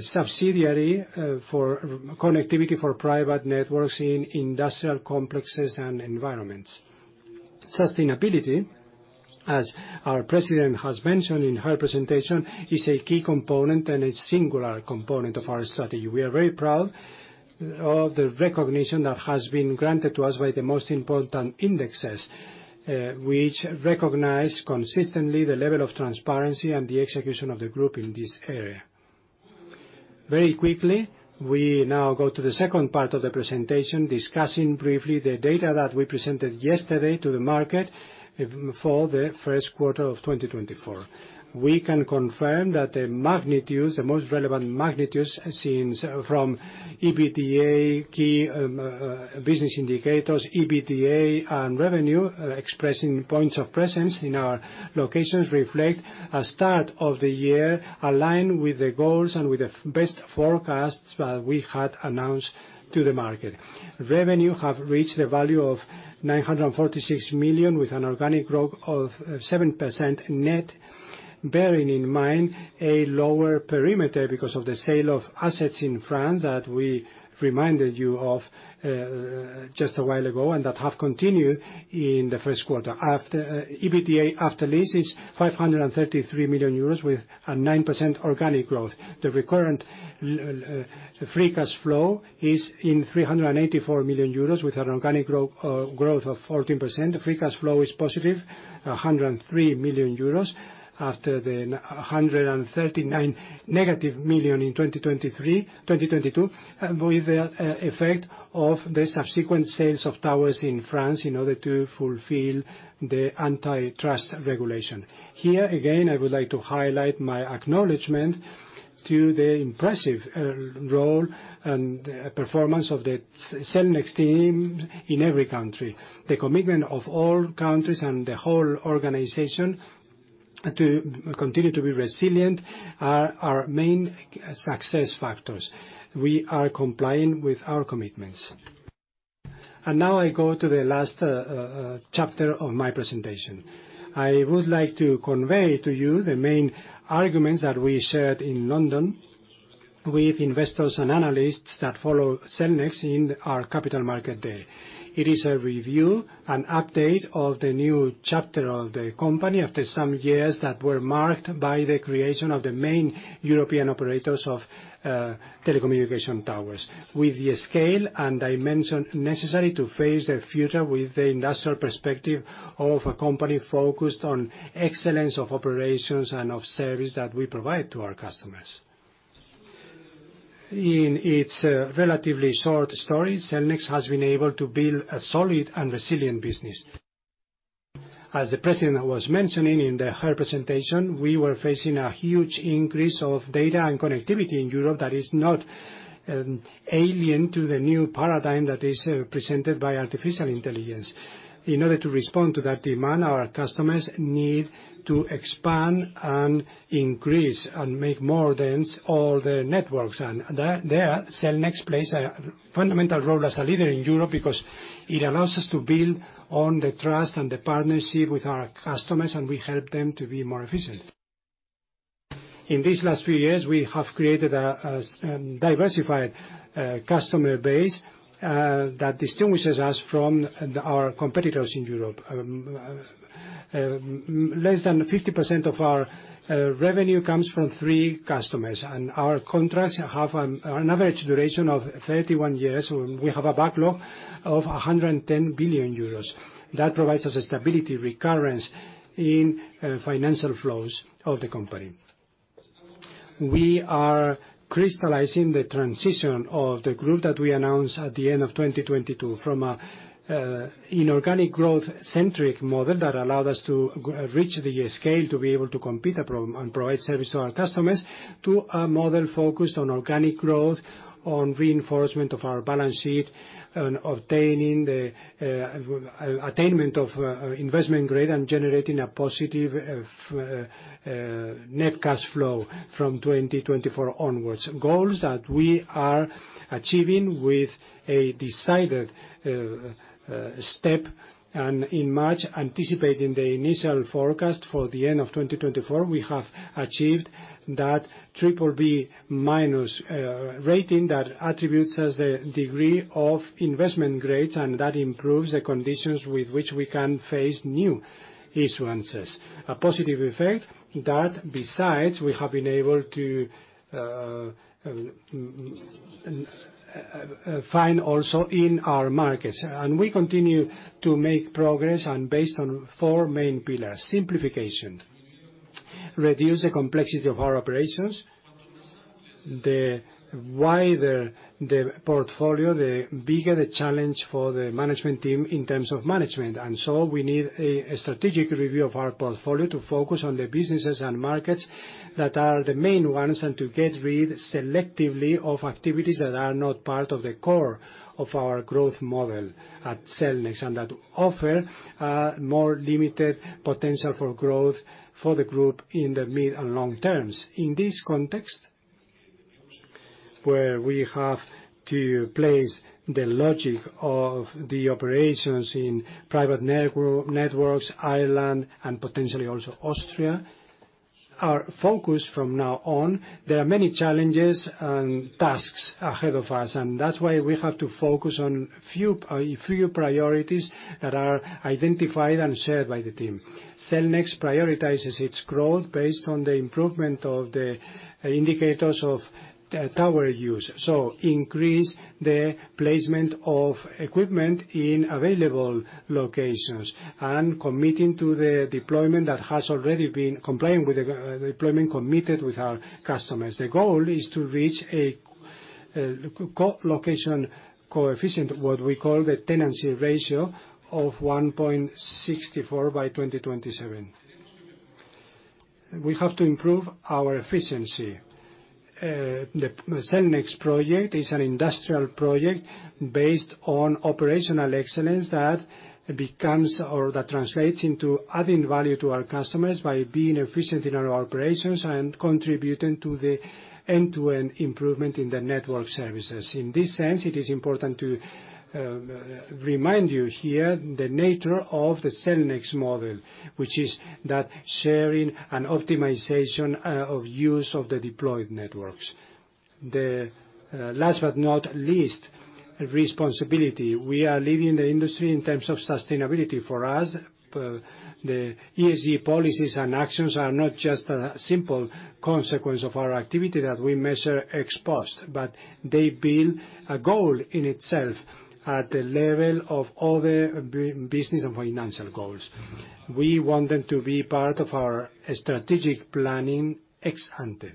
subsidiary for connectivity for private networks in industrial complexes and environments. Sustainability, as our president has mentioned in her presentation, is a key component and a singular component of our strategy. We are very proud of the recognition that has been granted to us by the most important indexes, which recognize consistently the level of transparency and the execution of the group in this area. Very quickly, we now go to the second part of the presentation, discussing briefly the data that we presented yesterday to the market for the first quarter of 2024. We can confirm that the magnitudes, the most relevant magnitudes, since from EBITDA, key, business indicators, EBITDA and revenue, expressing points of presence in our locations, reflect a start of the year aligned with the goals and with the best forecasts that we had announced to the market. Revenue have reached a value of 946 million, with an organic growth of 7% net, bearing in mind a lower perimeter because of the sale of assets in France that we reminded you of just a while ago, and that have continued in the first quarter. After EBITDA, after lease, is 533 million euros, with a 9% organic growth. The recurrent free cash flow is 384 million euros, with an organic growth of 14%. Free cash flow is positive, 103 million euros after a -139 million in 2023, 2022, with the effect of the subsequent sales of towers in France in order to fulfill the antitrust regulation. Here, again, I would like to highlight my acknowledgment to the impressive role and performance of the Cellnex team in every country. The commitment of all countries and the whole organization to continue to be resilient are our main success factors. We are complying with our commitments. And now I go to the last chapter of my presentation. I would like to convey to you the main arguments that we shared in London with investors and analysts that follow Cellnex in our capital market day. It is a review and update of the new chapter of the company after some years that were marked by the creation of the main European operators of telecommunication towers, with the scale and dimension necessary to face the future with the industrial perspective of a company focused on excellence of operations and of service that we provide to our customers. In its relatively short story, Cellnex has been able to build a solid and resilient business. As the president was mentioning in her presentation, we were facing a huge increase of data and connectivity in Europe that is not alien to the new paradigm that is presented by artificial intelligence. In order to respond to that demand, our customers need to expand and increase and make more dense all the networks, and there Cellnex plays a fundamental role as a leader in Europe because it allows us to build on the trust and the partnership with our customers, and we help them to be more efficient. In these last few years, we have created a diversified customer base that distinguishes us from our competitors in Europe. Less than 50% of our revenue comes from three customers, and our contracts have an average duration of 31 years. We have a backlog of 110 billion euros. That provides us a stability recurrence in financial flows of the company. We are crystallizing the transition of the group that we announced at the end of 2022, from a inorganic growth-centric model that allowed us to reach the scale, to be able to compete abroad and provide service to our customers, to a model focused on organic growth, on reinforcement of our balance sheet, and obtaining the attainment of investment grade, and generating a positive net cash flow from 2024 onwards. Goals that we are achieving with a decided step, and in March, anticipating the initial forecast for the end of 2024, we have achieved that BBB- rating, that attributes us the degree of investment grade, and that improves the conditions with which we can face new issuances. A positive effect that, besides, we have been able to find also in our markets. And we continue to make progress, and based on four main pillars. Simplification: reduce the complexity of our operations. The wider the portfolio, the bigger the challenge for the management team in terms of management, and so we need a strategic review of our portfolio to focus on the businesses and markets that are the main ones, and to get rid, selectively, of activities that are not part of the core of our growth model at Cellnex, and that offer more limited potential for growth for the group in the mid and long terms. In this context, where we have to place the logic of the operations in private networks, Ireland, and potentially also Austria, our focus from now on, there are many challenges and tasks ahead of us, and that's why we have to focus on few, few priorities that are identified and shared by the team. Cellnex prioritizes its growth based on the improvement of the indicators of tower use, so increase the placement of equipment in available locations, and committing to the deployment that has already been complying with the deployment committed with our customers. The goal is to reach a co-location coefficient, what we call the tenancy ratio, of 1.64 by 2027. We have to improve our efficiency. The Cellnex project is an industrial project based on operational excellence that becomes, or that translates into adding value to our customers by being efficient in our operations and contributing to the end-to-end improvement in the network services. In this sense, it is important to remind you here, the nature of the Cellnex model, which is that sharing and optimization of use of the deployed networks. The last but not least, responsibility. We are leading the industry in terms of sustainability. For us, the ESG policies and actions are not just a simple consequence of our activity that we measure ex post, but they build a goal in itself at the level of other business and financial goals. We want them to be part of our strategic planning, ex ante.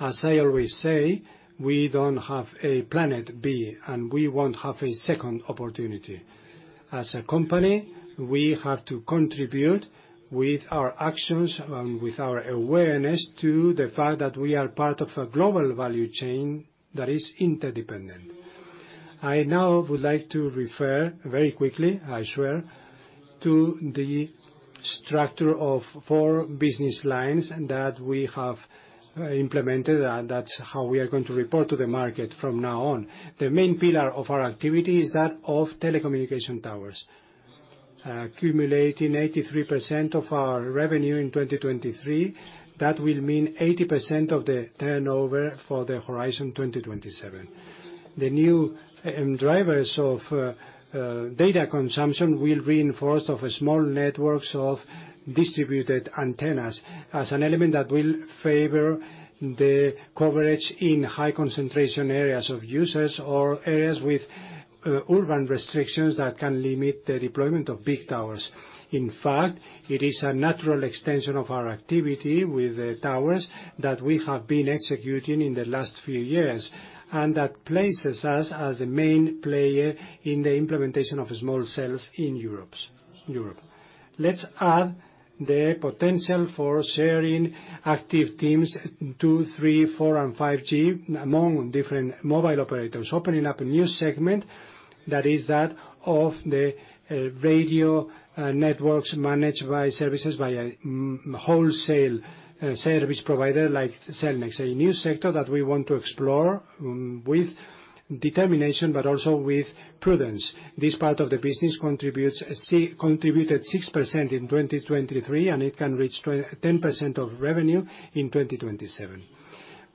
As I always say, we don't have a planet B, and we won't have a second opportunity. As a company, we have to contribute with our actions and with our awareness to the fact that we are part of a global value chain that is interdependent. I now would like to refer, very quickly, I swear, to the structure of four business lines that we have implemented, and that's how we are going to report to the market from now on. The main pillar of our activity is that of telecommunication towers, accumulating 83% of our revenue in 2023. That will mean 80% of the turnover for the Horizon 2027. The new drivers of data consumption will reinforce of a small networks of distributed antennas as an element that will favor the coverage in high-concentration areas of users or areas with urban restrictions that can limit the deployment of big towers. In fact, it is a natural extension of our activity with the towers that we have been executing in the last few years, and that places us as the main player in the implementation of small cells in Europe. Let's add the potential for sharing active teams, 2, 3, 4, and 5G among different mobile operators, opening up a new segment, that is that of the radio networks managed by services by a wholesale service provider like Cellnex. A new sector that we want to explore with determination, but also with prudence. This part of the business contributed 6% in 2023, and it can reach 10% of revenue in 2027.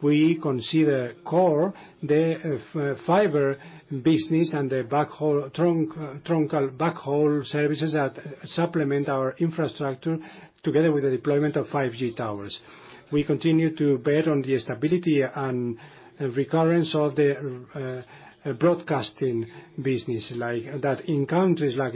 We consider core the fiber business and the backhaul trunk backhaul services that supplement our infrastructure together with the deployment of 5G towers. We continue to bet on the stability and recurrence of the broadcasting business, like that in countries like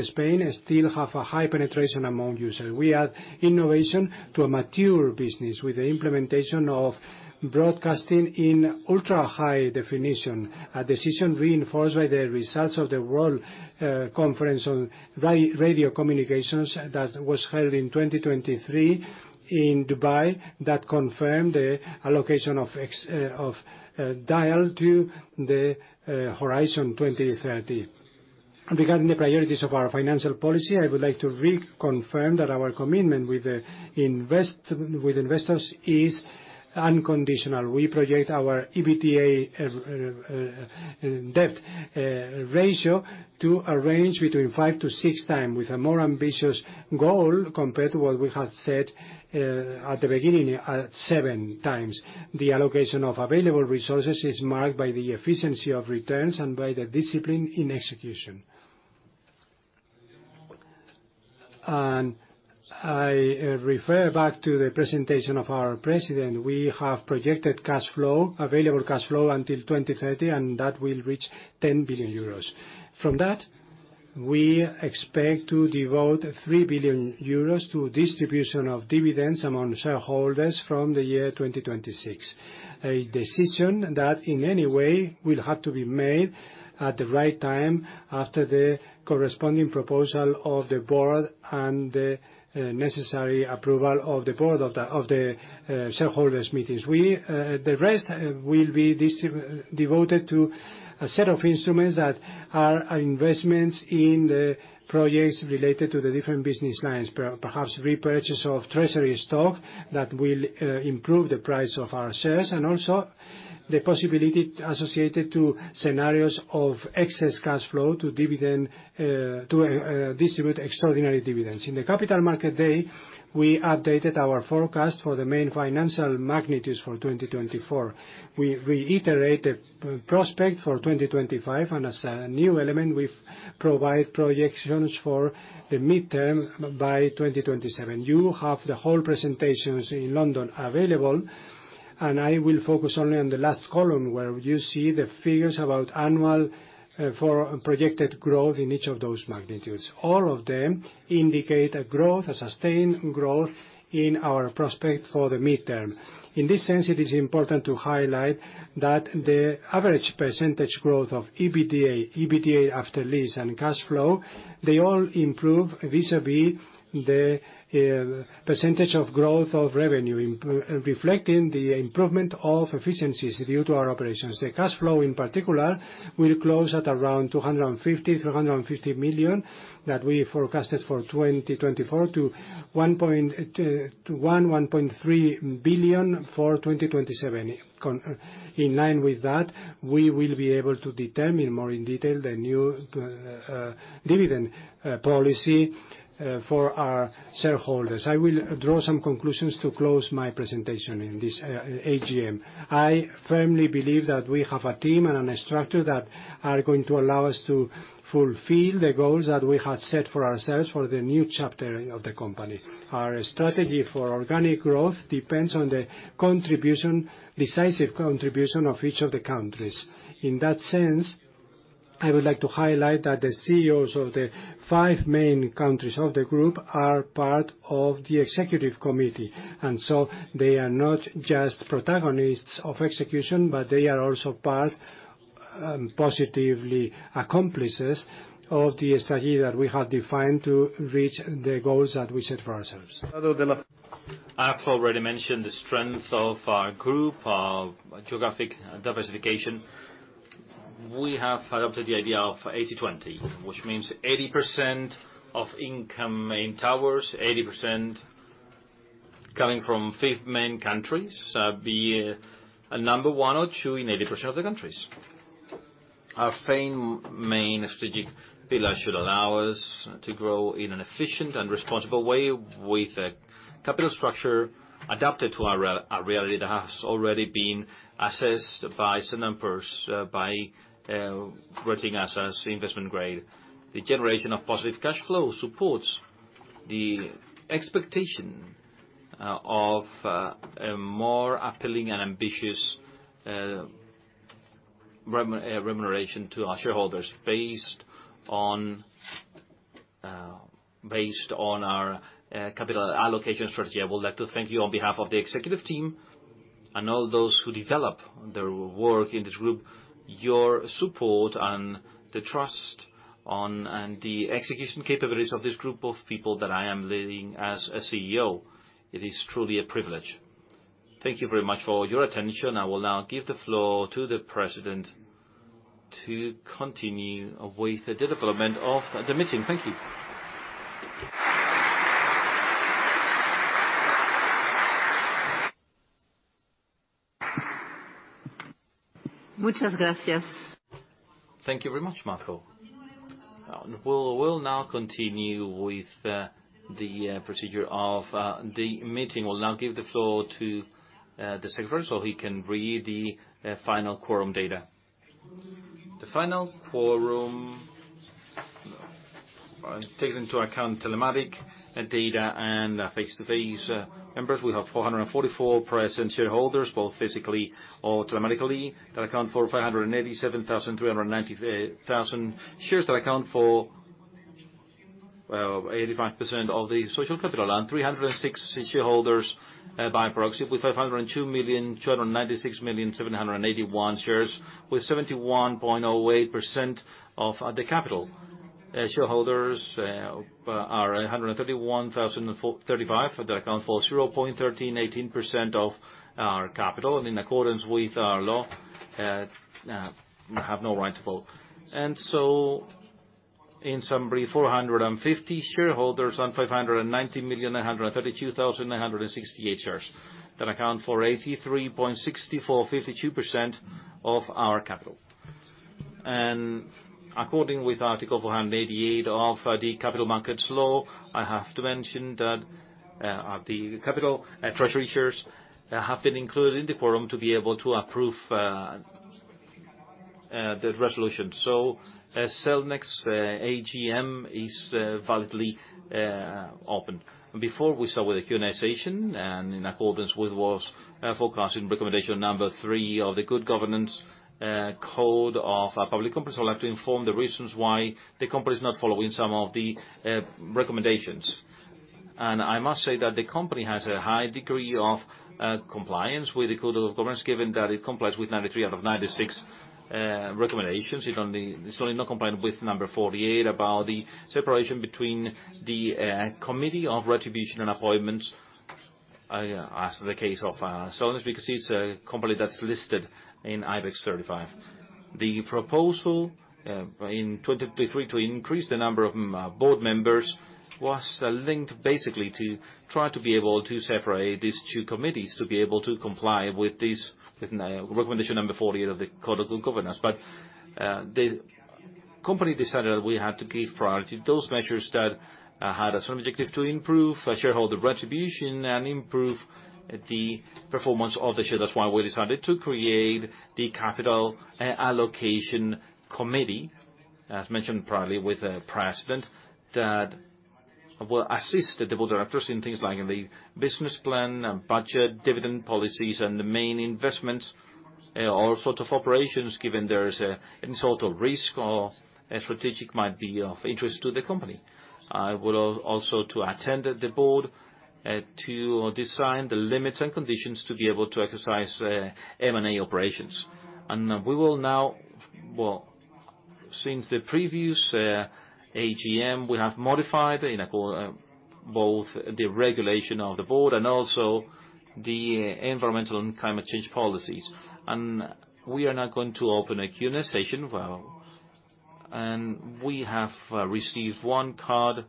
Spain still have a high penetration among users. We add innovation to a mature business with the implementation of broadcasting in ultra-high definition, a decision reinforced by the results of the World Radiocommunication Conference that was held in 2023 in Dubai, that confirmed the allocation of extra UHF to the Horizon 2030. Regarding the priorities of our financial policy, I would like to reconfirm that our commitment with investors is unconditional. We project our EBITDA, debt, ratio to a range between 5-6 times, with a more ambitious goal compared to what we had said at the beginning, at 7 times. The allocation of available resources is marked by the efficiency of returns and by the discipline in execution. And I refer back to the presentation of our president. We have projected cash flow, available cash flow until 2030, and that will reach 10 billion euros. From that, we expect to devote 3 billion euros to distribution of dividends among shareholders from the year 2026, a decision that, in any way, will have to be made at the right time after the corresponding proposal of the board and the necessary approval of the board of the shareholders' meetings. We... The rest will be devoted to a set of instruments that are investments in the projects related to the different business lines, perhaps repurchase of treasury stock that will improve the price of our shares, and also the possibility associated to scenarios of excess cash flow to dividend to distribute extraordinary dividends. In the Capital Markets Day, we updated our forecast for the main financial magnitudes for 2024. We reiterated prospect for 2025, and as a new element, we've provided projections for the midterm by 2027. You have the whole presentations in London available, and I will focus only on the last column, where you see the figures about annual, for projected growth in each of those magnitudes. All of them indicate a growth, a sustained growth, in our prospect for the midterm. In this sense, it is important to highlight that the average percentage growth of EBITDA, EBITDA after lease and cash flow, they all improve vis-à-vis the, percentage of growth of revenue, reflecting the improvement of efficiencies due to our operations. The cash flow, in particular, will close at around 250 million-350 million, that we forecasted for 2024, to one point, to one, 1.3 billion for 2027. In line with that, we will be able to determine more in detail the new dividend policy for our shareholders. I will draw some conclusions to close my presentation in this AGM. I firmly believe that we have a team and a structure that are going to allow us to fulfill the goals that we have set for ourselves for the new chapter of the company. Our strategy for organic growth depends on the contribution, decisive contribution, of each of the countries. In that sense, I would like to highlight that the CEOs of the five main countries of the group are part of the executive committee, and so they are not just protagonists of execution, but they are also part, positively accomplices of the strategy that we have defined to reach the goals that we set for ourselves. I've already mentioned the strength of our group, our geographic diversification. We have adopted the idea of 80/20, which means 80% of income in towers, 80% coming from 5 main countries, be a number one or two in 80% of the countries. Our main strategic pillar should allow us to grow in an efficient and responsible way with a capital structure adapted to our reality that has already been assessed by some numbers, by rating us as investment grade. The generation of positive cash flow supports the expectation of a more appealing and ambitious remuneration to our shareholders based on our capital allocation strategy. I would like to thank you on behalf of the executive team and all those who develop their work in this group, your support and the trust on, and the execution capabilities of this group of people that I am leading as a CEO. It is truly a privilege. Thank you very much for your attention. I will now give the floor to the president to continue with the development of the meeting. Thank you. Muchas gracias. Thank you very much, Marco. We'll now continue with the procedure of the meeting. We'll now give the floor to the secretary, so he can read the final quorum data. The final quorum, taking into account telematic data and face-to-face members, we have 444 present shareholders, both physically or telematically, that account for 587,390 thousand shares, that account for, well, 85% of the social capital, and 306 shareholders by proxy, with 502,296,781 shares, with 71.08% of the capital. Shareholders are 131,435, that account for 0.1318% of our capital, and in accordance with our law, have no right to vote. In summary, 450 shareholders and 590,932,968 shares, that account for 83.6452% of our capital. According with Article 488 of the Capital Markets Law, I have to mention that the capital treasury shares have been included in the quorum to be able to approve the resolution. So the Cellnex AGM is validly opened. Before we start with the Q&A session, and in accordance with what's forecasted in recommendation number 3 of the Good Governance Code of Public Companies, I would like to inform the reasons why the company is not following some of the recommendations. And I must say that the company has a high degree of compliance with the Code of Governance, given that it complies with 93 out of 96 recommendations. It only, it's only not compliant with number 48, about the separation between the Committee of Remuneration and Appointments, as the case of Cellnex, because it's a company that's listed in IBEX 35. The proposal in 2023 to increase the number of board members was linked basically to try to be able to separate these two committees, to be able to comply with this, with recommendation number 48 of the Code of Good Governance. But the company decided we had to give priority to those measures that had a strong objective to improve shareholder remuneration and improve the performance of the share. That's why we decided to create the Capital Allocation Committee, as mentioned priorly with the president, that will assist the board of directors in things like the business plan and budget, dividend policies, and the main investments, all sorts of operations, given there is any sort of risk or a strategic might be of interest to the company. We will also attend the board to design the limits and conditions to be able to exercise M&A operations. And we will now. Well, since the previous AGM, we have modified in accord both the regulation of the board and also the environmental and climate change policies. And we are now going to open a Q&A session. Well, and we have received one card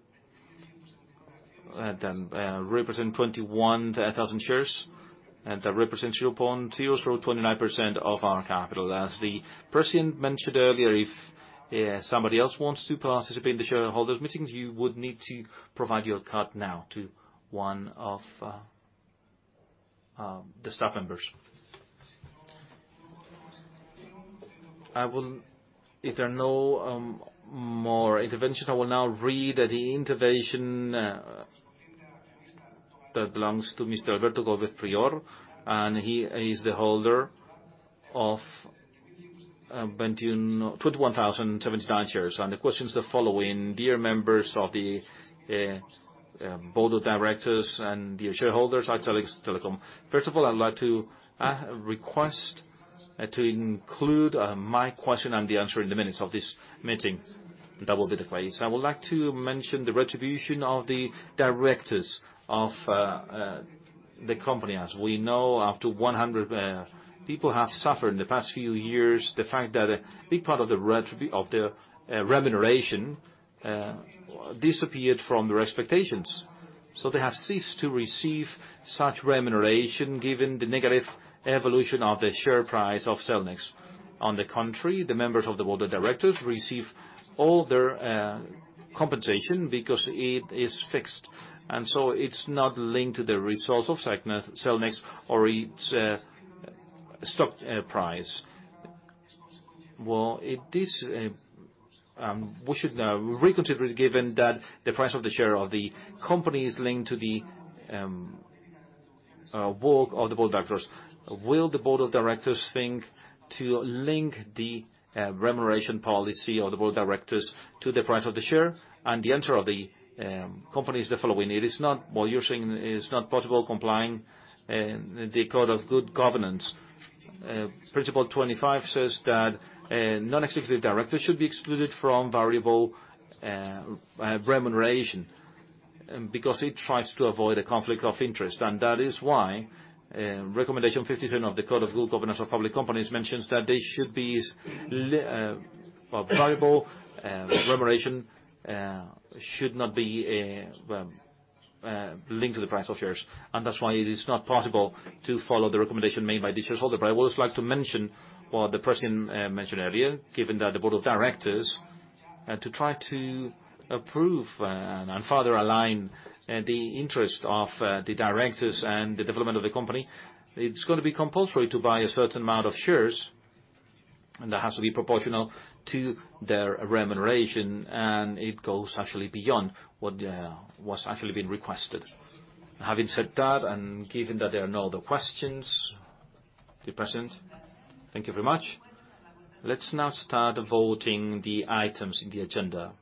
that represent 21,000 shares, and that represents 0.029% of our capital. As the person mentioned earlier, if somebody else wants to participate in the shareholders' meetings, you would need to provide your card now to one of the staff members. I will, if there are no more intervention, I will now read the intervention that belongs to Mr. Alberto Gómez Prior, and he is the holder of 21,079 shares. The questions are the following: Dear members of the Board of Directors and dear shareholders at Cellnex Telecom. First of all, I'd like to request to include my question and the answer in the minutes of this meeting. That will be the case. I would like to mention the remuneration of the directors of the company. As we know, up to 100 people have suffered in the past few years the fact that a big part of the remuneration disappeared from their expectations. So they have ceased to receive such remuneration, given the negative evolution of the share price of Cellnex. On the contrary, the members of the board of directors receive all their compensation because it is fixed, and so it's not linked to the results of Cellnex or its stock price. Well, it is... We should reconsider, given that the price of the share of the company is linked to the work of the board directors. Will the board of directors think to link the remuneration policy of the board of directors to the price of the share? The answer of the company is the following: It is not possible, what you're saying is not possible complying with the Code of Good Governance. Principle 25 says that non-executive directors should be excluded from variable remuneration because it tries to avoid a conflict of interest. And that is why Recommendation 57 of the Code of Good Governance of Public Companies mentions that variable remuneration should not be linked to the price of shares, and that's why it is not possible to follow the recommendation made by the shareholder. But I would also like to mention what the president mentioned earlier, given that the board of directors to try to approve and further align the interest of the directors and the development of the company, it's gonna be compulsory to buy a certain amount of shares, and that has to be proportional to their remuneration, and it goes actually beyond what's actually been requested. Having said that, and given that there are no other questions, the president, thank you very much. Let's now start voting the items in the agenda.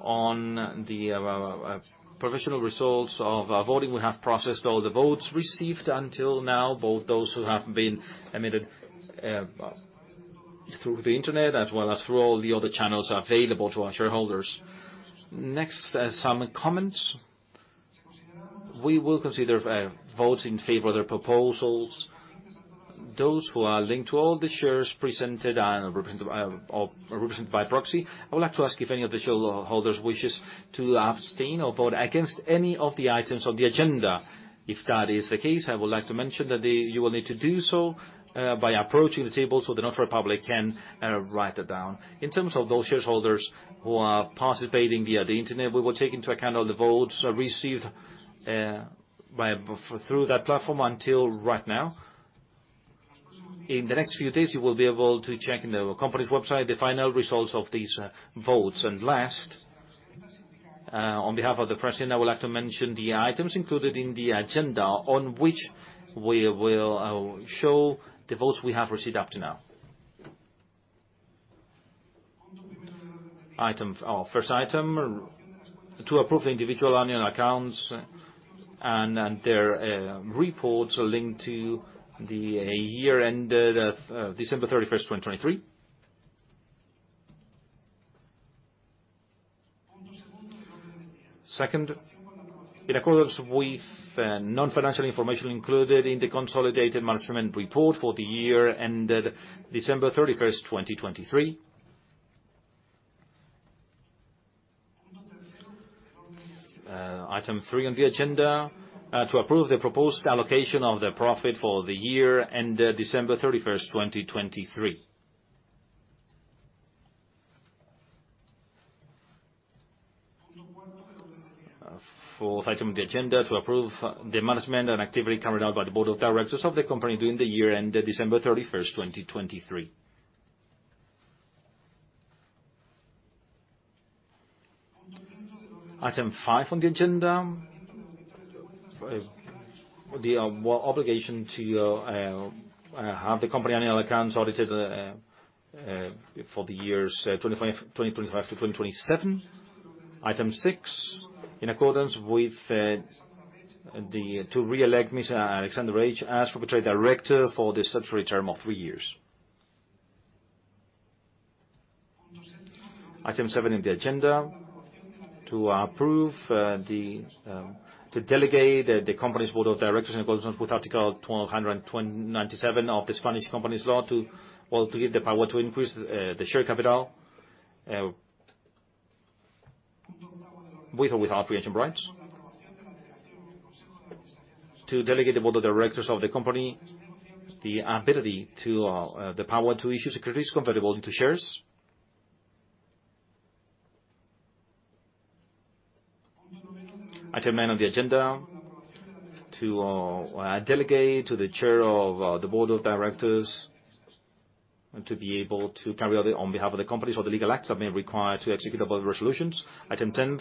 On the professional results of our voting, we have processed all the votes received until now, both those who have been emitted through the internet as well as through all the other channels available to our shareholders. Next, some comments. We will consider votes in favor of the proposals, those who are linked to all the shares presented and represented by, or represented by proxy. I would like to ask if any of the shareholders wishes to abstain or vote against any of the items on the agenda. If that is the case, I would like to mention that you will need to do so by approaching the table, so the Notary Public can write it down. In terms of those shareholders who are participating via the internet, we will take into account all the votes received by through that platform until right now. In the next few days, you will be able to check in the company's website the final results of these votes. And last, on behalf of the president, I would like to mention the items included in the agenda, on which we will show the votes we have received up to now. Item. Our first item, to approve the individual annual accounts and their reports linked to the year ended December 31st, 2023. Second, in accordance with non-financial information included in the consolidated management report for the year ended December 31st, 2023. Item three on the agenda, to approve the proposed allocation of the profit for the year ended December 31st, 2023. Fourth item on the agenda, to approve the management and activity carried out by the Board of Directors of the company during the year ended December 31st, 2023. Item five on the agenda, the obligation to have the company annual accounts audited for the years 2025-2027. Item six, in accordance with to re-elect Ms. Alexandra Reich as Proprietary Director for the statutory term of three years. Item seven in the agenda, to approve to delegate the company's board of directors in accordance with Article 297 of the Spanish Companies Law, to well, to give the power to increase the share capital with or without pre-emption rights. To delegate the Board of Directors of the company, the ability to the power to issue securities convertible into shares. Item 9 on the agenda, to delegate to the chair of the Board of Directors, to be able to carry out on behalf of the companies, all the legal acts that may be required to execute the board resolutions. Item 10,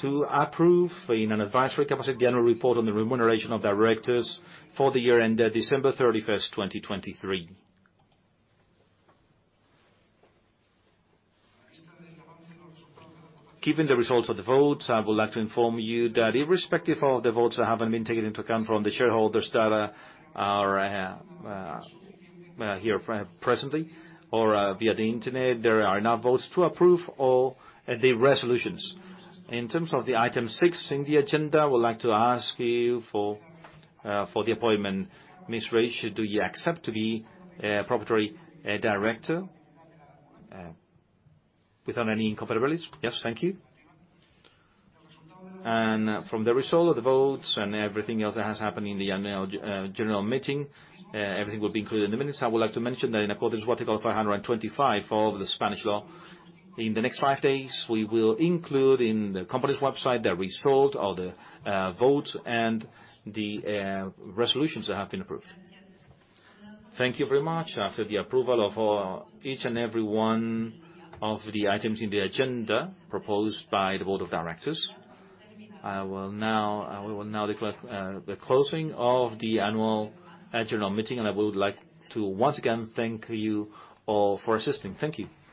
to approve in an advisory capacity, the annual report on the remuneration of directors for the year ended December 31st, 2023. Given the results of the votes, I would like to inform you that irrespective of the votes that haven't been taken into account from the shareholders that are here presently or via the internet, there are enough votes to approve all the resolutions. In terms of the item 6 in the agenda, I would like to ask you for the appointment, Ms. Reich, do you accept to be Proprietary Director without any incompatibilities? Yes, thank you. And from the result of the votes and everything else that has happened in the annual general meeting, everything will be included in the minutes. I would like to mention that in accordance with Article 525 of the Spanish law, in the next 5 days, we will include in the company's website the results of the votes and the resolutions that have been approved. Thank you very much. After the approval of each and every one of the items in the agenda proposed by the board of directors, I will now- we will now declare the closing of the annual general meeting, and I would like to once again thank you all for assisting. Thank you.